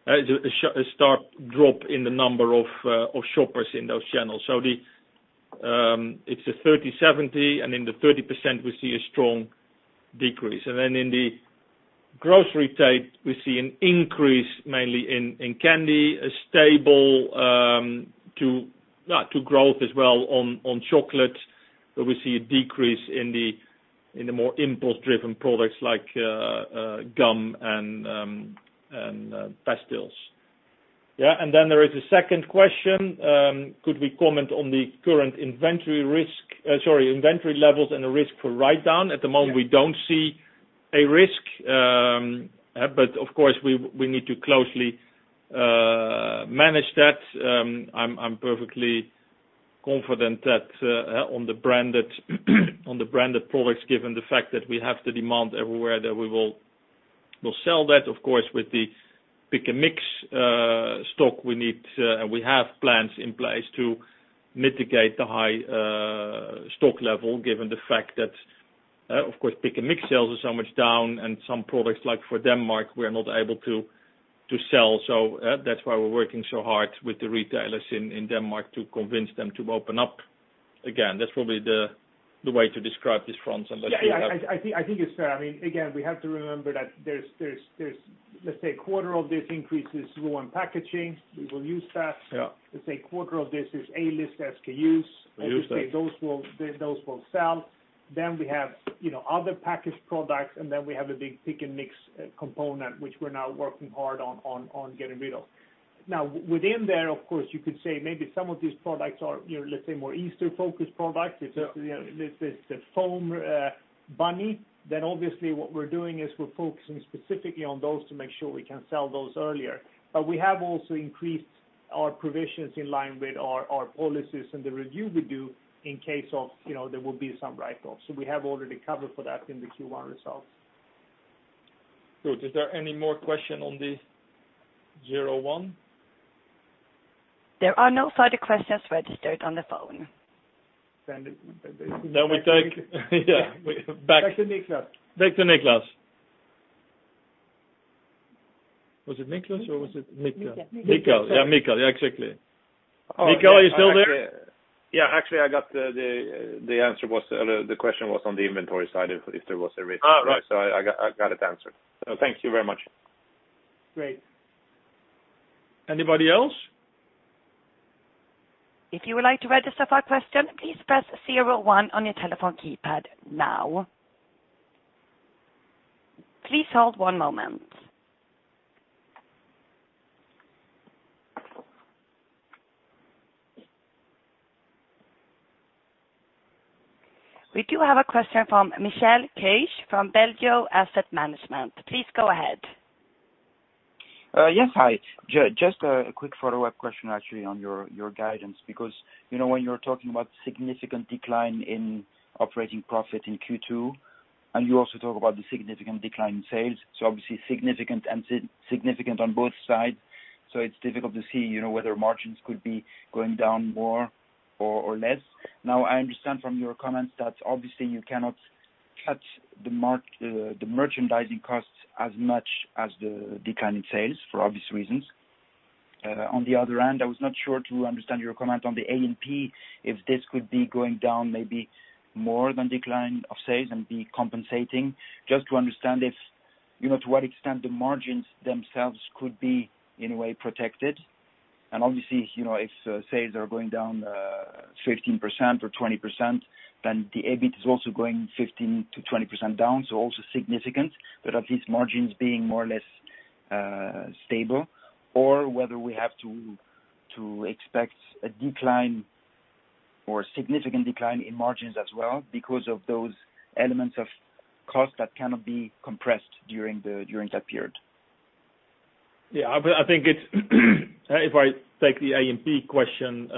Speaker 2: a sharp drop in the number of shoppers in those channels. So it's a 30/70, and in the 30%, we see a strong decrease. And then in the grocery trade, we see an increase mainly in candy, a stable to growth as well on chocolate. But we see a decrease in the more impulse-driven products like gum and pastilles. Yeah? And then there is a second question. Could we comment on the current inventory risk, sorry, inventory levels and the risk for write-down? At the moment, we don't see a risk, but of course, we need to closely manage that. I'm perfectly confident that on the branded products, given the fact that we have the demand everywhere, that we will sell that. Of course, with the pick and mix stock, we need and we have plans in place to mitigate the high stock level, given the fact that, of course, pick and mix sales are so much down, and some products like for Denmark, we're not able to sell. So that's why we're working so hard with the retailers in Denmark to convince them to open up again. That's probably the way to describe this, Frans, unless you have anything else?
Speaker 3: Yeah. I think it's fair. I mean, again, we have to remember that there's, let's say, a quarter of this increases raw and packaging. We will use that. Let's say a quarter of this is A-list SKUs. As you say, those will sell. Then we have other packaged products, and then we have the big pick and mix component, which we're now working hard on getting rid of. Now, within there, of course, you could say maybe some of these products are, let's say, more Easter-focused products. If it's the foam bunny, then obviously what we're doing is we're focusing specifically on those to make sure we can sell those earlier. But we have also increased our provisions in line with our policies and the review we do in case there will be some write-offs. So we have already covered for that in the Q1 results.
Speaker 2: Good. Is there any more question on the 01?
Speaker 4: There are no further questions registered on the phone.
Speaker 2: Then we take back.
Speaker 3: Back to Nicklas.
Speaker 2: Back to Nicklas. Was it Nicklas or was it Mikael?
Speaker 4: Mikael.
Speaker 2: Mikael. Yeah, Mikael. Yeah, exactly. Mikael, are you still there?
Speaker 5: Yeah. Actually, I got the answer. The question was on the inventory side if there was a risk. So I got it answered. So thank you very much.
Speaker 3: Great.
Speaker 2: Anybody else?
Speaker 4: If you would like to register for a question, please press 01 on your telephone keypad now. Please hold one moment. We do have a question from Michel Cage from Belgio Asset Management. Please go ahead.
Speaker 6: Yes. Hi. Just a quick follow-up question, actually, on your guidance, because when you're talking about significant decline in operating profit in Q2, and you also talk about the significant decline in sales. So obviously, significant on both sides. So it's difficult to see whether margins could be going down more or less. Now, I understand from your comments that obviously you cannot cut the merchandising costs as much as the decline in sales for obvious reasons. On the other hand, I was not sure to understand your comment on the A&P, if this could be going down maybe more than decline of sales and be compensating, just to understand to what extent the margins themselves could be in a way protected. And obviously, if sales are going down 15% or 20%, then the EBIT is also going 15%-20% down. So, also significant, but at least margins being more or less stable. Or whether we have to expect a decline or significant decline in margins as well because of those elements of cost that cannot be compressed during that period.
Speaker 2: Yeah. I think if I take the A&P question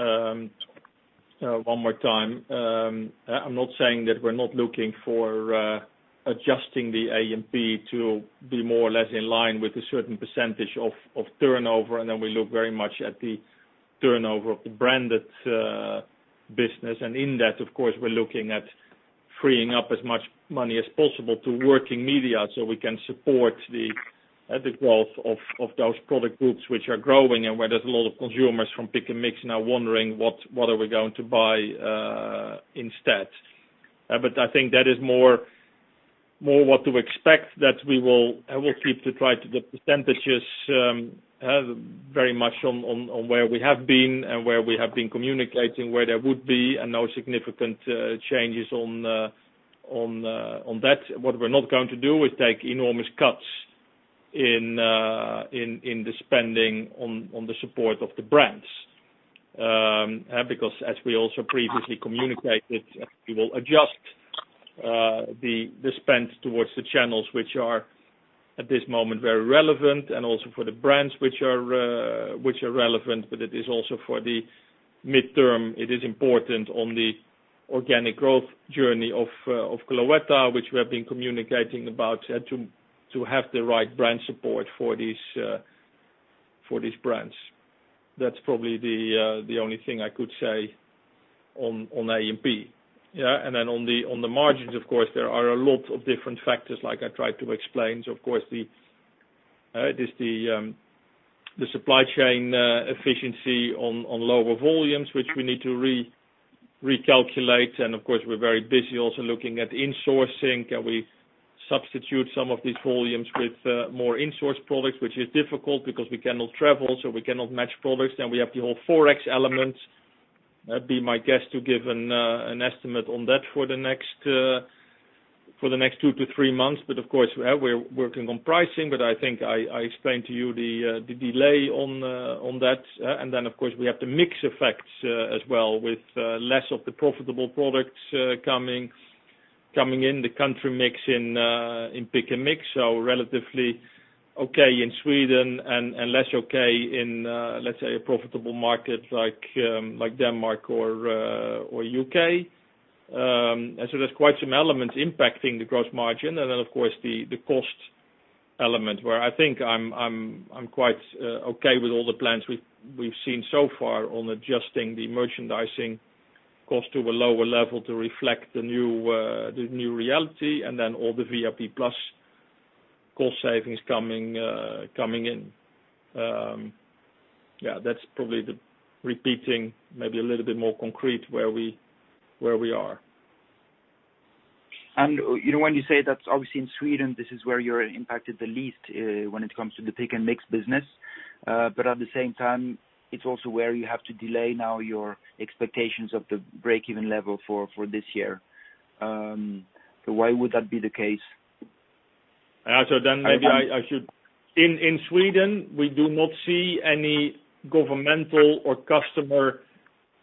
Speaker 2: one more time, I'm not saying that we're not looking for adjusting the A&P to be more or less in line with a certain percentage of turnover. And then we look very much at the turnover of the branded business. And in that, of course, we're looking at freeing up as much money as possible to working media so we can support the growth of those product groups which are growing and where there's a lot of consumers from pick and mix now wondering what are we going to buy instead. But I think that is more what to expect that we will keep to try to the percentages very much on where we have been and where we have been communicating where there would be and no significant changes on that. What we're not going to do is take enormous cuts in the spending on the support of the brands. Because as we also previously communicated, we will adjust the spend towards the channels which are at this moment very relevant and also for the brands which are relevant. But it is also for the midterm, it is important on the organic growth journey of Cloetta, which we have been communicating about to have the right brand support for these brands. That's probably the only thing I could say on A&P. Yeah? And then on the margins, of course, there are a lot of different factors like I tried to explain. Of course, it is the supply chain efficiency on lower volumes, which we need to recalculate. And of course, we're very busy also looking at insourcing. Can we substitute some of these volumes with more insource products, which is difficult because we cannot travel, so we cannot match products. Then we have the whole Forex element. Best guess to give an estimate on that for the next two to three months. But of course, we're working on pricing, but I think I explained to you the delay on that. And then, of course, we have the mix effects as well with less of the profitable products coming in the country mix in pick and mix. So relatively okay in Sweden and less okay in, let's say, a profitable market like Denmark or U.K. So there's quite some elements impacting the gross margin. Then, of course, the cost element where I think I'm quite okay with all the plans we've seen so far on adjusting the merchandising cost to a lower level to reflect the new reality and then all the VIP Plus cost savings coming in. Yeah. That's probably the repeating, maybe a little bit more concrete where we are.
Speaker 6: And when you say that's obviously in Sweden, this is where you're impacted the least when it comes to the pick and mix business. But at the same time, it's also where you have to delay now your expectations of the break-even level for this year. So why would that be the case?
Speaker 2: So then maybe I should in Sweden, we do not see any governmental or customer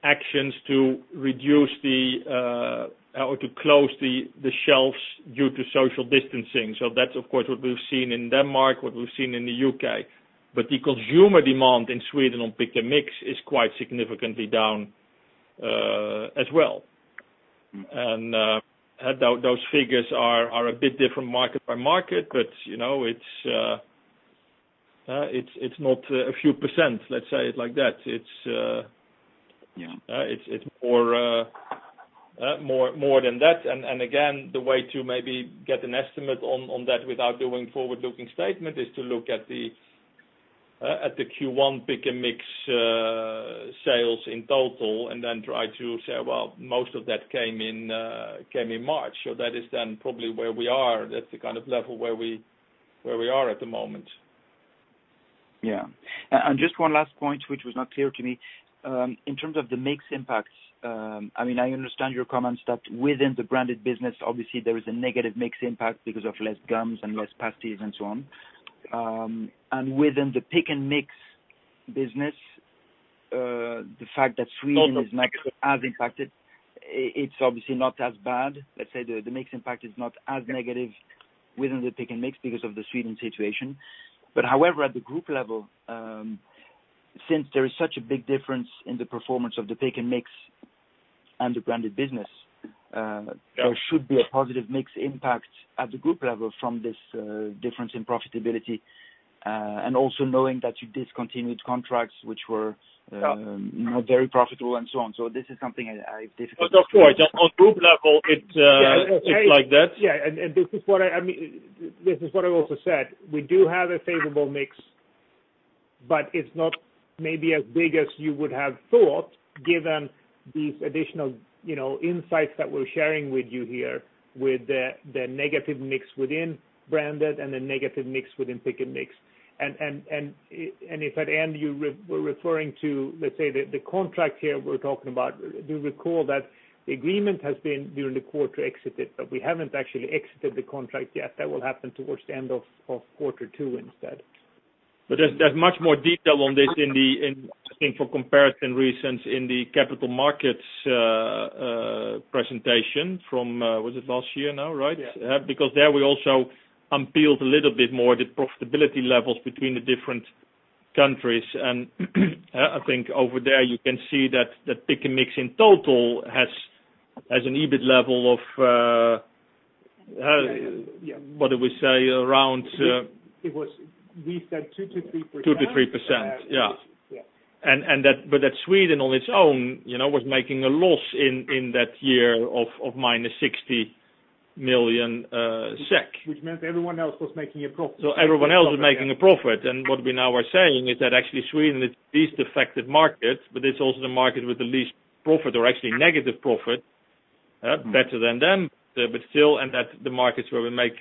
Speaker 2: actions to reduce the or to close the shelves due to social distancing. So that's, of course, what we've seen in Denmark, what we've seen in the U.K. But the consumer demand in Sweden on pick and mix is quite significantly down as well. And those figures are a bit different market by market, but it's not a few percent, let's say it like that. It's more than that. And again, the way to maybe get an estimate on that without doing forward-looking statement is to look at the Q1 pick and mix sales in total and then try to say, "Well, most of that came in March." So that is then probably where we are. That's the kind of level where we are at the moment.
Speaker 6: Yeah. And just one last point, which was not clear to me. In terms of the mix impacts, I mean, I understand your comments that within the branded business, obviously, there is a negative mix impact because of less gums and less pastilles and so on. And within the pick and mix business, the fact that Sweden is not as impacted, it's obviously not as bad. Let's say the mix impact is not as negative within the pick and mix because of the Sweden situation. But however, at the group level, since there is such a big difference in the performance of the pick and mix and the branded business, there should be a positive mix impact at the group level from this difference in profitability. And also knowing that you discontinued contracts which were not very profitable and so on. So this is something I have difficulty.
Speaker 2: But of course, on group level, it's like that.
Speaker 3: Yeah. And this is what I mean. This is what I also said. We do have a favorable mix, but it's not maybe as big as you would have thought given these additional insights that we're sharing with you here with the negative mix within branded and the negative mix within pick and mix. And if at the end you were referring to, let's say, the contract here we're talking about, do you recall that the agreement has been during the quarter exited, but we haven't actually exited the contract yet? That will happen towards the end of quarter two instead.
Speaker 2: But there's much more detail on this in the, I think, for comparison reasons in the capital markets presentation from, was it last year now, right? Because there we also unveiled a little bit more the profitability levels between the different countries. And I think over there you can see that the pick and mix in total has an EBIT level of, what do we say, around.
Speaker 3: It was, we said 2%-3%.
Speaker 2: 2%-3%. Yeah. But that Sweden on its own was making a loss in that year of minus 60 million SEK.
Speaker 3: Which meant everyone else was making a profit.
Speaker 2: Everyone else was making a profit. What we now are saying is that actually Sweden is the least affected market, but it's also the market with the least profit or actually negative profit, better than them. But still, the markets where we make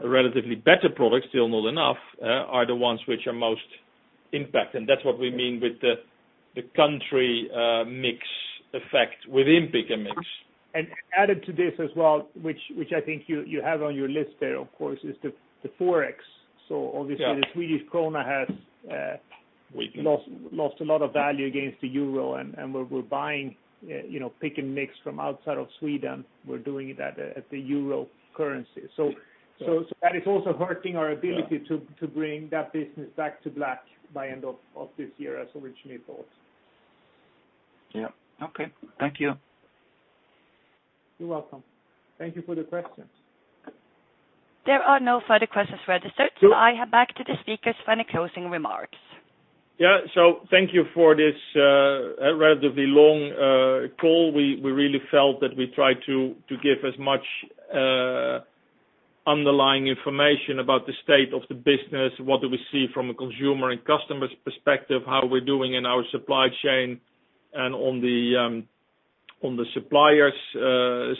Speaker 2: a relatively better profit, still not enough, are the ones which are most impacted. That's what we mean with the country mix effect within pick and mix.
Speaker 3: Added to this as well, which I think you have on your list there, of course, is the Forex. So obviously, the Swedish krona has lost a lot of value against the euro. And when we're buying pick and mix from outside of Sweden, we're doing it at the euro currency. So that is also hurting our ability to bring that business back to black by the end of this year as originally thought.
Speaker 6: Yeah. Okay. Thank you.
Speaker 3: You're welcome. Thank you for the questions.
Speaker 4: There are no further questions registered, so I hand back to the speakers for any closing remarks.
Speaker 2: Yeah. So thank you for this relatively long call. We really felt that we tried to give as much underlying information about the state of the business, what do we see from a consumer and customer's perspective, how we're doing in our supply chain and on the suppliers'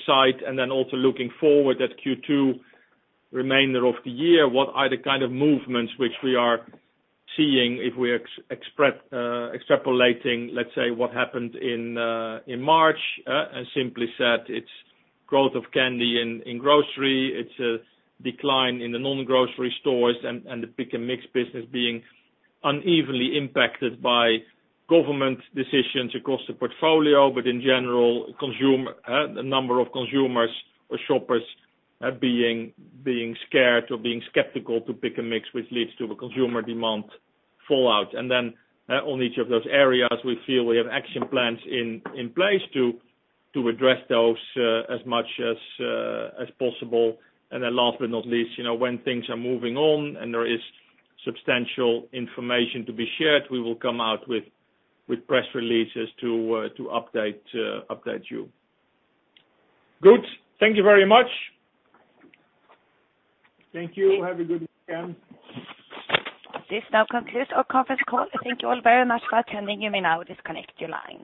Speaker 2: side. And then also looking forward at Q2 remainder of the year, what are the kind of movements which we are seeing if we're extrapolating, let's say, what happened in March and simply said it's growth of candy in grocery, it's a decline in the non-grocery stores, and the pick and mix business being unevenly impacted by government decisions across the portfolio. But in general, the number of consumers or shoppers being scared or being skeptical to pick and mix, which leads to a consumer demand fallout. And then on each of those areas, we feel we have action plans in place to address those as much as possible. And then last but not least, when things are moving on and there is substantial information to be shared, we will come out with press releases to update you. Good. Thank you very much.
Speaker 3: Thank you. Have a good weekend.
Speaker 4: This now concludes our conference call. Thank you all very much for attending. You may now disconnect your lines.